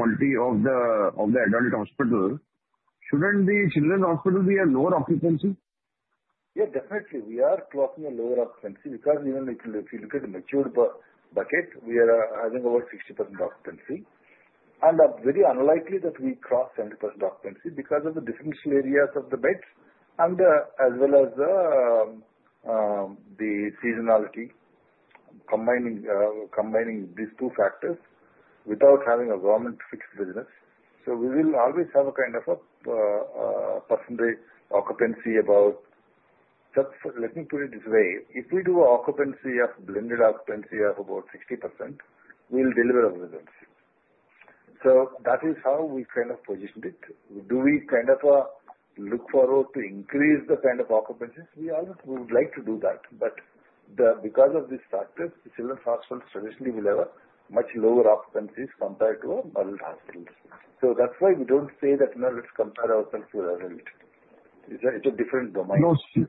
the adult hospital, shouldn't the children's hospital be a lower occupancy? Yeah, definitely. We are closing a lower occupancy because even if you look at the matured bucket, we are having over 60% occupancy. And very unlikely that we cross 70% occupancy because of the differential areas of the beds and, as well as, the seasonality, combining these two factors without having a government fixed business. So we will always have a kind of a percentage occupancy about, let me put it this way, if we do an occupancy of blended occupancy of about 60%, we'll deliver a residency. So that is how we kind of positioned it. Do we kind of look forward to increase the kind of occupancies? We always would like to do that. But because of these factors, the children's hospitals traditionally will have much lower occupancies compared to adult hospitals. So that's why we don't say that, you know, let's compare ourselves to adult. It's a different domain. No, sir.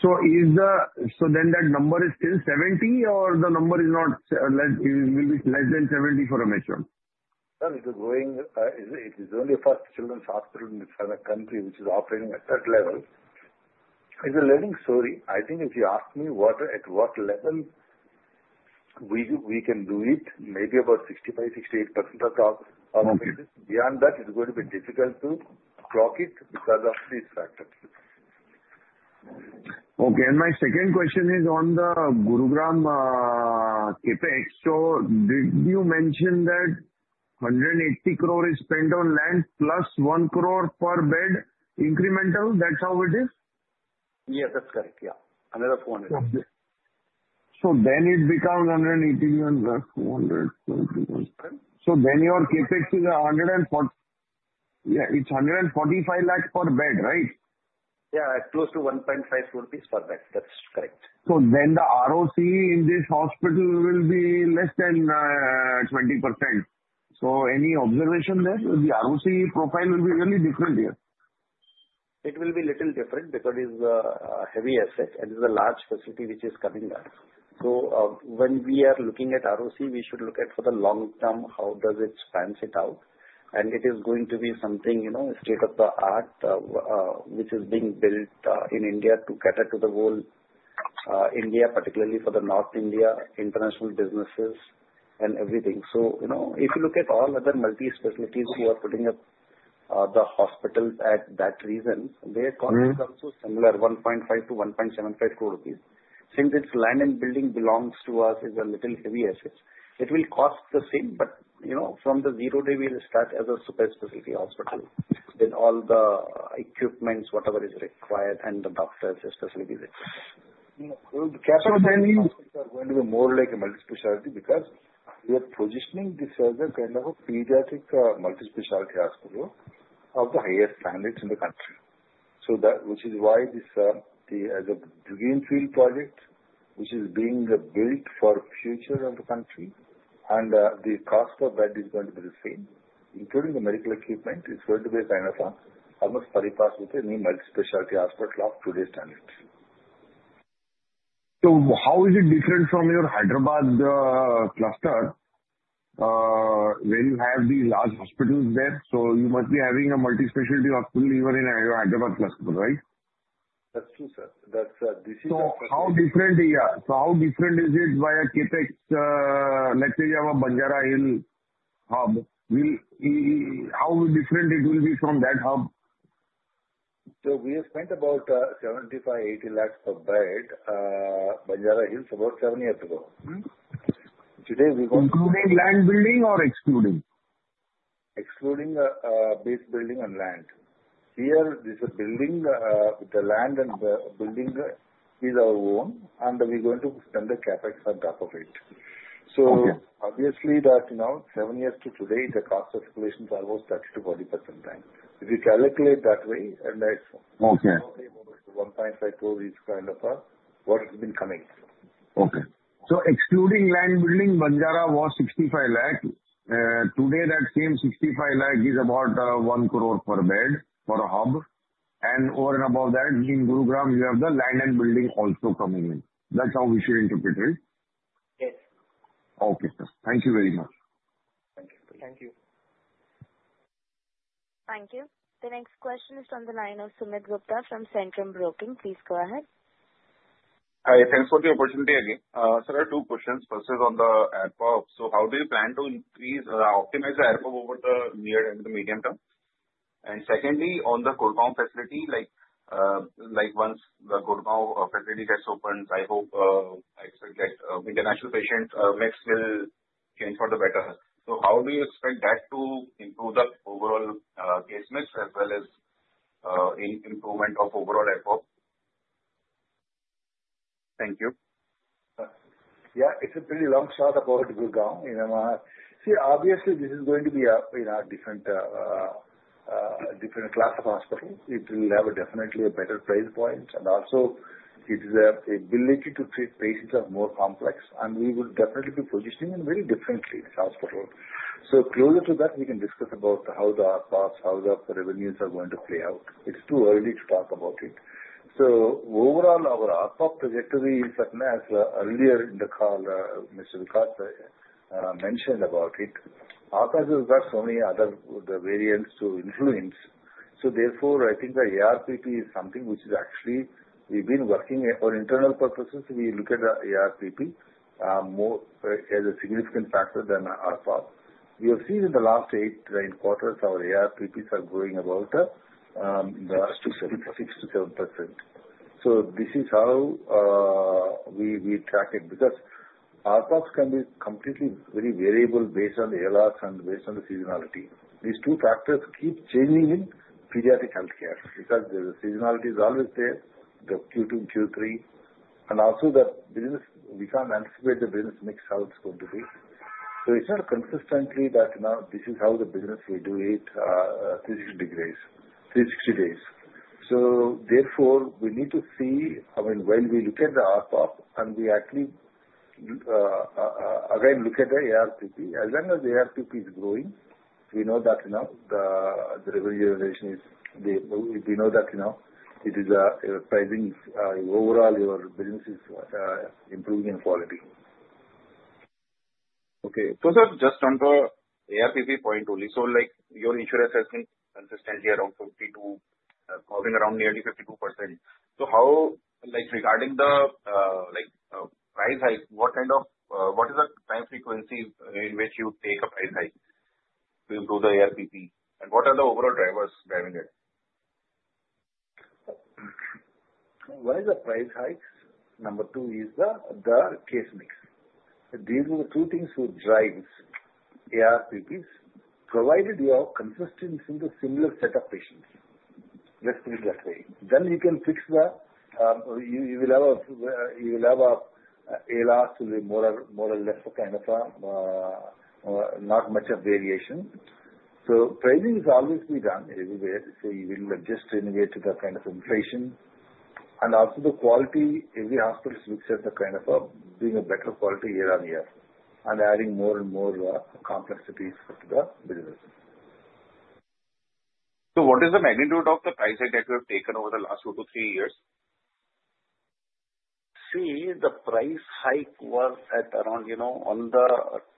So then that number is still 70% or the number is not less. It will be less than 70% for a mature? It's only the first children's hospital in the country which is operating at that level. It's a learning story. I think if you ask me at what level we can do it, maybe about 65%-68% of the occupancy. Beyond that, it's going to be difficult to clock it because of these factors. Okay, and my second question is on the Gurgaon CapEx. So did you mention that 180 crore is spent on land plus 1 crore per bed incremental? That's how it is? Yes, that's correct. Yeah. Another 400 crore. Okay. So then it becomes 180 crore and 400 crore. So then your CapEx is 140 crore. Yeah, it's 145 lakh per bed, right? Yeah. Close to 1.5 crore rupees per bed. That's correct. So then the ROCE in this hospital will be less than 20%. So any observation there? The ROCE profile will be really different here. It will be a little different because it's a heavy asset and it's a large facility which is coming up. So, when we are looking at ROCE, we should look at for the long term, how does it pan out? And it is going to be something, you know, state-of-the-art, which is being built, in India to cater to the whole, India, particularly for the North India, international businesses and everything. So, you know, if you look at all other multi-specialty who are putting up, the hospitals in that region, their cost is also similar, 1.5 crore-1.75 crore rupees. Since its land and building belongs to us, it's a little heavy asset. It will cost the same, but, you know, from the zero day, we'll start as a super-specialty hospital. Then all the equipment, whatever is required, and the doctors, the facilities. So can we, sir, go into more like a multi-specialty because we are positioning this as a kind of a pediatric, multi-specialty hospital of the highest standards in the country. So that, which is why this, as a greenfield project which is being built for the future of the country and, the cost of that is going to be the same, including the medical equipment, is going to be a kind of almost on a par with any multi-specialty hospital of today's standards. So how is it different from your Hyderabad cluster, where you have the large hospitals there? So you must be having a multi-specialty hospital even in your Hyderabad cluster, right? That's true, sir. How different is it by a CapEx? Let's say you have a Banjara Hills hub. How different it will be from that hub? So we have spent about 75 lakh-80 lakh per bed, Banjara Hills about seven years ago. Today we got. Including land building or excluding? Excluding the base building and land. Here, this building, the land and the building is our own, and we're going to spend the CapEx on top of it. Okay. So obviously that, you know, seven years to today, the cost of expansion is almost 30%-40% time. If you calculate that way, and that's. Okay. Probably about 1.5 crore is kind of a what has been coming. Okay. So excluding land building, Banjara was 65 lakh. Today that same 65 lakh is about 1 crore per bed for a hub. And over and above that, in Gurgaon, you have the land and building also coming in. That's how we should interpret it. Yes. Okay, sir. Thank you very much. Thank you. Thank you. The next question is from the line of Sumit Gupta from Centrum Broking. Please go ahead. Hi. Thanks for the opportunity again. Sir, I have two questions. First is on the ARPOB. So how do you plan to increase, optimize the ARPOB over the near and the medium term? And secondly, on the Gurgaon facility, like once the Gurgaon facility gets opened, I hope, I expect that, international patient mix will change for the better. So how do you expect that to improve the overall case mix as well as in improvement of overall ARPOB? Thank you. Yeah. It's a pretty long shot about Gurgaon. You know, see, obviously this is going to be a, you know, different class of hospital. It will have definitely a better price point. And also it is an ability to treat patients of more complex. And we would definitely be positioning it very differently, this hospital. So closer to that, we can discuss about how the ARPOBs, how the revenues are going to play out. It's too early to talk about it. So overall, our ARPOB trajectory is certainly as, earlier in the call, Mr. Vikas mentioned about it. Otherwise, we've got so many other variants to influence. So therefore, I think the ARPP is something which is actually we've been working on for internal purposes. We look at the ARPP more as a significant factor than ARPOB. We have seen in the last eight quarters, our ARPPs are growing about the 6%-7%. So this is how we track it because ARPOBs can be completely very variable based on the ALOS and based on the seasonality. These two factors keep changing in pediatric healthcare because the seasonality is always there, the Q2 and Q3. And also the business, we can't anticipate the business mix how it's going to be. So it's not consistently that, you know, this is how the business will do it, 360 degrees, 360 days. So therefore, we need to see, I mean, when we look at the ARPOB and we actually again look at the ARPP, as long as the ARPP is growing, we know that, you know, the revenue generation is, we know that, you know, it is rising, overall your business is improving in quality. Okay. So sir, just on the ARPP point only, so like your insurance has been consistently around 52%, moving around nearly 52%. So how, like regarding the, like, price hike, what is the time frequency in which you take a price hike to improve the ARPP? And what are the overall drivers driving it? One is the price hikes. Number two is the case mix. These are the two things which drive ARPPs, provided you have consistency in the similar set of patients. Let's put it that way. Then you can fix the ALOS to be more or less kind of a, not much of variation. So pricing is always to be done everywhere. So you will adjust in a way to the kind of inflation, and also the quality. Every hospital looks at the kind of being a better quality year-on-year and adding more and more complexities to the business. So what is the magnitude of the price hike that you have taken over the last two to three years? See, the price hike was at around, you know, on the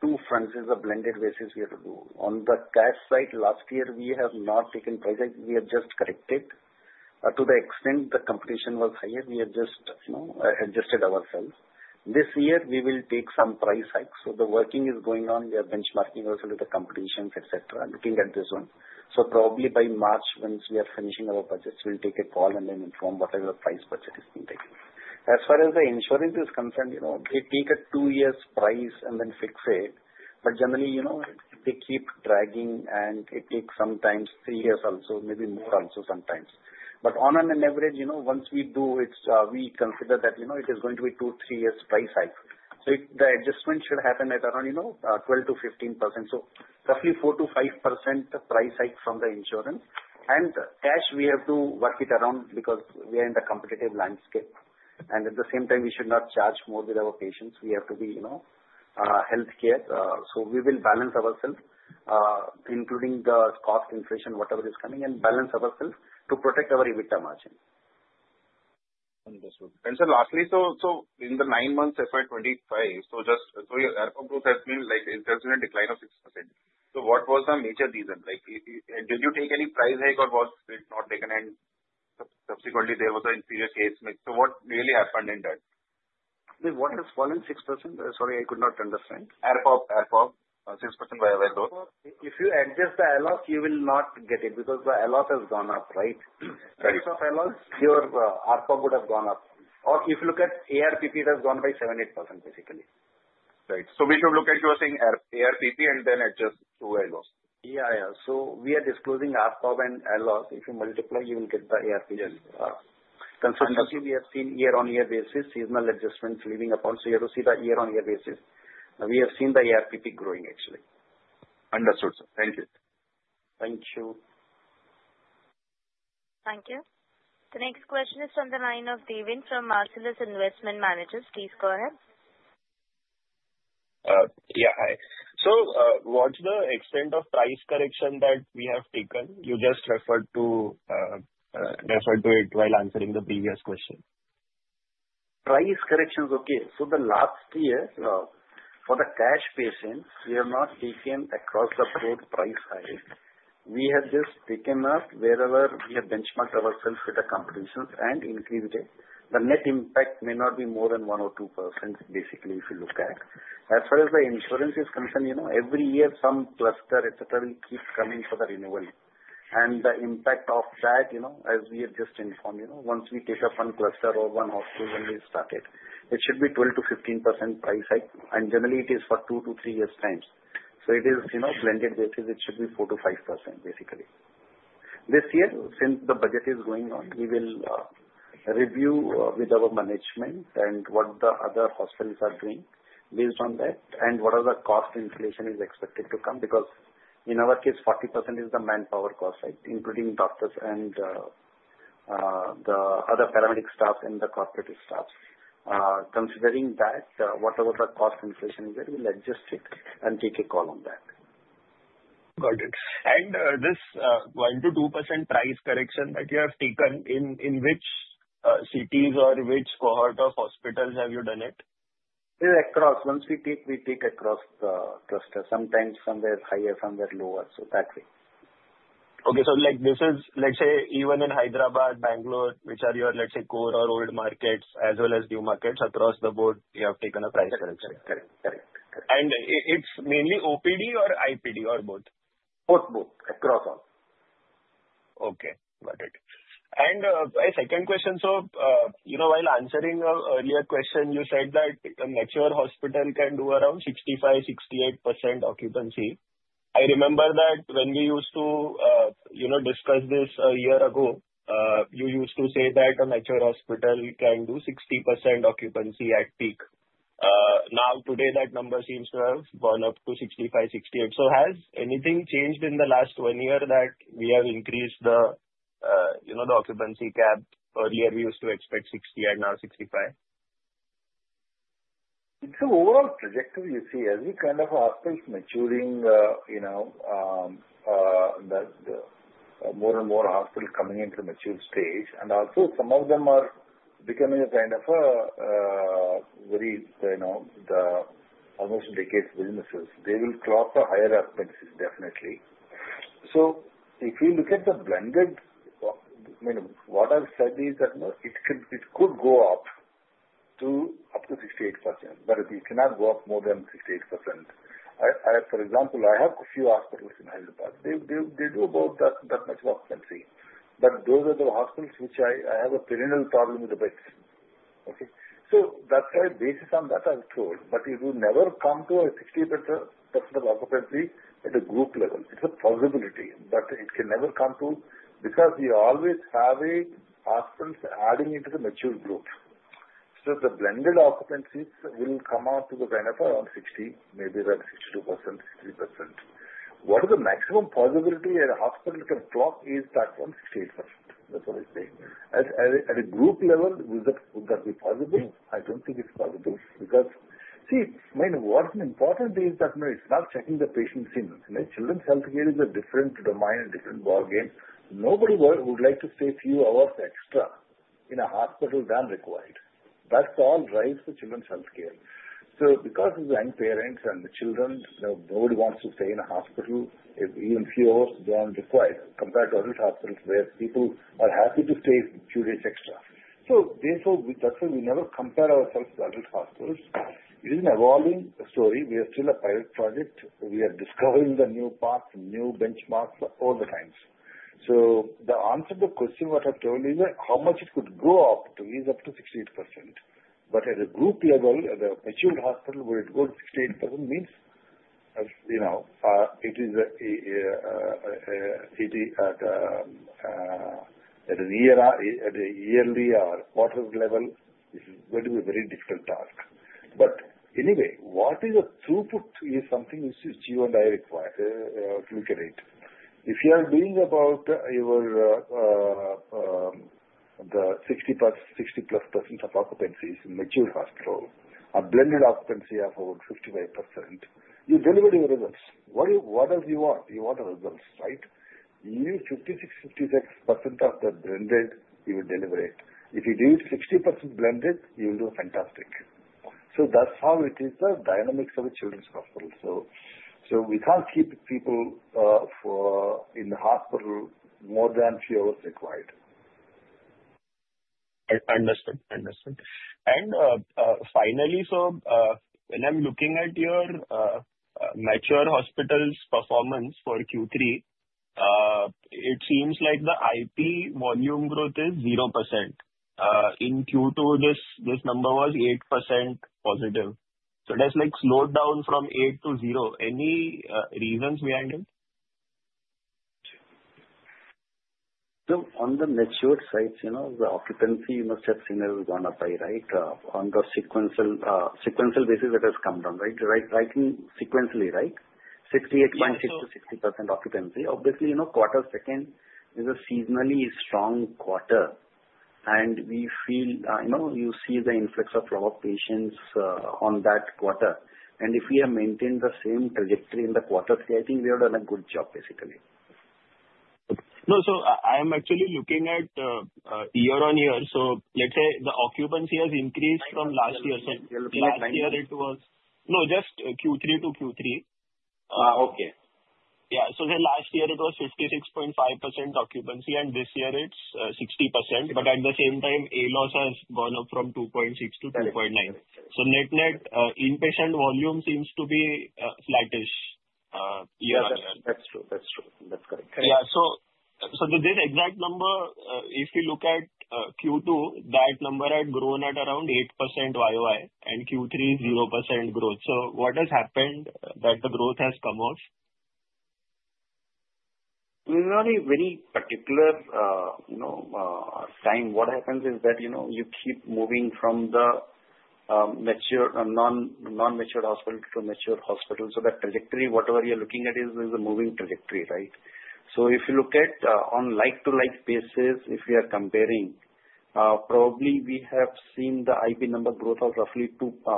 two fronts is a blended basis we have to do. On the cash side, last year we have not taken price hike. We have just corrected, to the extent the competition was higher. We have just, you know, adjusted ourselves. This year we will take some price hike. So the working is going on. We are benchmarking also with the competitions, etc., looking at this one. So probably by March, once we are finishing our budgets, we'll take a call and then inform whatever price budget is being taken. As far as the insurance is concerned, you know, they take a two-year price and then fix it. But generally, you know, they keep dragging and it takes sometimes three years also, maybe more also sometimes. But on an average, you know, once we do it, we consider that, you know, it is going to be two, three years price hike. So the adjustment should happen at around, you know, 12%-15%. So roughly 4%-5% price hike from the insurance. And cash, we have to work it around because we are in the competitive landscape. And at the same time, we should not charge more with our patients. We have to be, you know, healthcare. So we will balance ourselves, including the cost inflation, whatever is coming, and balance ourselves to protect our EBITDA margin. Understood. And sir, lastly, in the nine months FY 2025, just your ARPOB has been, like, a decline of 6%. So what was the major reason? Like, did you take any price hike or was it not taken? And subsequently, there was an inferior case mix. So what really happened in that? What has fallen 6%? Sorry, I could not understand. ARPOB 6% by those. If you adjust the ALOS, you will not get it because the ALOS has gone up, right? Right. Despite ALOS, your ARPOB would have gone up. Or if you look at ARPP, it has gone up by 7%-8% basically. Right. So we should look at you're saying ARPP and then adjust to ALOS. Yeah, yeah. So we are disclosing ARPOB and ALOS. If you multiply, you will get the ARPP. Yes. consistency we have seen year-on-year basis, seasonal adjustments notwithstanding. So you have to see the year-on-year basis. We have seen the ARPP growing actually. Understood, sir. Thank you. Thank you. Thank you. The next question is from the line of Deven from Marcellus Investment Managers. Please go ahead. Yeah, hi. So, what's the extent of price correction that we have taken? You just referred to it while answering the previous question. Price corrections, okay. So the last year, for the cash patients, we have not taken across the board price hike. We have just taken up wherever we have benchmarked ourselves with the competition and increased it. The net impact may not be more than 1% or 2% basically if you look at. As far as the insurance is concerned, you know, every year some cluster, etc., will keep coming for the renewal. And the impact of that, you know, as we have just informed, you know, once we take up one cluster or one hospital when we started, it should be 12%-15% price hike. And generally, it is for two years-three years times. So it is, you know, blended basis. It should be 4%-5% basically. This year, since the budget is going on, we will review with our management and what the other hospitals are doing based on that and what the cost inflation is expected to come because in our case, 40% is the manpower cost, right, including doctors and the other paramedic staff and the corporate staff. Considering that, whatever the cost inflation is, we'll adjust it and take a call on that. Got it. And this 1%-2% price correction that you have taken, in which cities or which cohort of hospitals have you done it? Across. Once we take across the cluster. Sometimes some are higher, some are lower. So that way. Okay, so like this is, let's say, even in Hyderabad, Bangalore, which are your, let's say, core or old markets as well as new markets across the board, you have taken a price correction. Correct, correct, correct. It's mainly OPD or IPD or both? Both, both. Across all. Okay. Got it. And my second question. So, you know, while answering an earlier question, you said that a mature hospital can do around 65%-68% occupancy. I remember that when we used to, you know, discuss this a year ago, you used to say that a mature hospital can do 60% occupancy at peak. Now today that number seems to have gone up to 65%-68%. So has anything changed in the last one year that we have increased the, you know, the occupancy cap? Earlier we used to expect 60% and now 65%? It's an overall trajectory you see as we kind of hospitals maturing, you know, the more and more hospitals coming into the mature stage. And also some of them are becoming a kind of very, you know, the almost decades businesses. They will clock a higher expenses, definitely. So if you look at the blended, you know, what I've said is that, you know, it could go up to 68%. But it cannot go up more than 68%. I, for example, I have a few hospitals in Hyderabad. They do about that much occupancy. But those are the hospitals which I have a perennial problem with the beds. Okay? So that's why based on that I've told. But it will never come to a 60% of occupancy at a group level. It's a possibility. But it can never come to because we always have a hospitals adding into the mature group. So the blended occupancies will come out to the kind of around 60%, maybe around 62%-63%. What is the maximum possibility a hospital can clock is that 168%. That's what I say. At a group level, would that be possible? I don't think it's possible because see, I mean, what's important is that, you know, it's not checking the patients in. You know, children's healthcare is a different domain, a different ball game. Nobody would like to stay a few hours extra in a hospital than required. That's all right for children's healthcare. So because of the young parents and the children, you know, nobody wants to stay in a hospital if even fewer than required compared to other hospitals where people are happy to stay a few days extra. So therefore, that's why we never compare ourselves to other hospitals. It is an evolving story. We are still a pilot project. We are discovering the new path, new benchmarks all the time. So the answer to the question what I've told is that how much it could go up is up to 68%. But at a group level, at a matured hospital, would it go to 68% means, you know, it is 80% at a year, at a yearly or quarterly level, it's going to be a very difficult task. But anyway, what is the throughput is something which you and I require, to look at it. If you are doing about 60%, 60%+ occupancies in your mature hospital, a blended occupancy of over 55%, you deliver your results. What do you want? You want the results, right? You use 56% of the blended, you will deliver it. If you do it 60% blended, you will do fantastic. That's how it is, the dynamics of a children's hospital. We can't keep people in the hospital more than a few hours required. I understood. And, finally, sir, when I'm looking at your mature hospitals performance for Q3, it seems like the IP volume growth is 0%. In Q2, this number was 8%+. So it has like slowed down from 8%-0%. Any reasons behind it? On the mature side, you know, the occupancy must have seen it gone up by right on the sequential basis that has come down right? 68.6%-60% occupancy. Obviously, you know, quarter second is a seasonally strong quarter, and we feel, you know, you see the influx of our patients on that quarter, and if we have maintained the same trajectory in the quarter three, I think we have done a good job basically. No, so I am actually looking at year-on-year. So let's say the occupancy has increased from last year. So last year it was, no, just Q3 to Q3. okay. Yeah. So then last year it was 56.5% occupancy and this year it's 60%. But at the same time, ALOS has gone up from 2.6-2.9. So net net, inpatient volume seems to be flattish, year-on-year. That's true, that's true. That's correct. Yeah. So, did this exact number, if you look at Q2, that number had grown at around 8% YoY and Q3 is 0% growth. So what has happened that the growth has come off? There's not a very particular, you know, time. What happens is that, you know, you keep moving from the, mature or non, non-matured hospital to mature hospital. So that trajectory, whatever you're looking at is a moving trajectory, right? So if you look at, on like-for-like basis, if we are comparing, probably we have seen the IP number growth of roughly two, by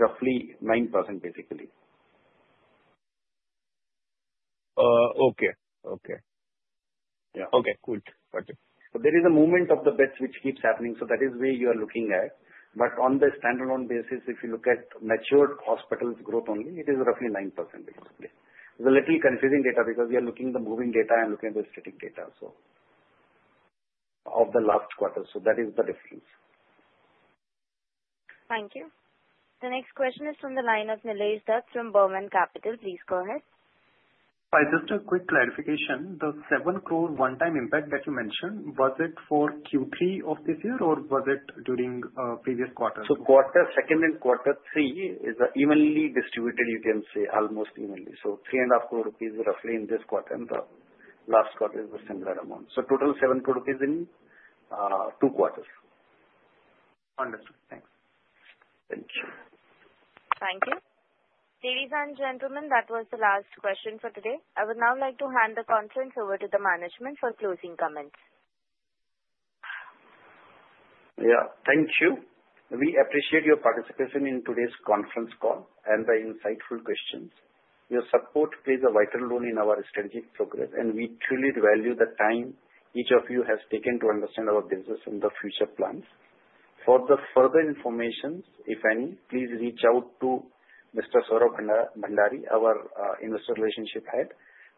roughly 9% basically. okay, okay. Yeah. Okay, good. Got it. But there is a movement of the beds which keeps happening. So that is where you are looking at. But on the standalone basis, if you look at mature hospitals growth only, it is roughly 9% basically. It's a little confusing data because we are looking at the moving data and looking at the static data, so of the last quarter. So that is the difference. Thank you. The next question is from the line of Nitesh Dutt from Burman Capital. Please go ahead. Hi, just a quick clarification. The 7 crore one-time impact that you mentioned, was it for Q3 of this year or was it during previous quarters? So quarter second and quarter three is evenly distributed, you can say, almost evenly. So 3.5 crore rupees roughly in this quarter and the last quarter is the similar amount. So total 7 crore rupees in two quarters. Understood. Thanks. Thank you. Thank you. Ladies and gentlemen, that was the last question for today. I would now like to hand the conference over to the management for closing comments. Yeah, thank you. We appreciate your participation in today's conference call and the insightful questions. Your support plays a vital role in our strategic progress, and we truly value the time each of you has taken to understand our business and the future plans. For further information, if any, please reach out to Mr. Saurabh Bhandari, our investor relations head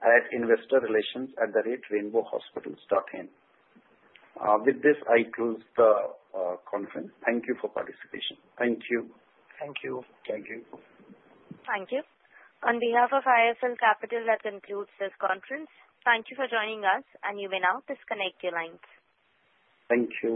at investorrelations@thegreatrainbowhospitals.in. With this, I close the conference. Thank you for participation. Thank you. Thank you. Thank you. Thank you. On behalf of IIFL Capital, that concludes this conference. Thank you for joining us, and you may now disconnect your lines. Thank you.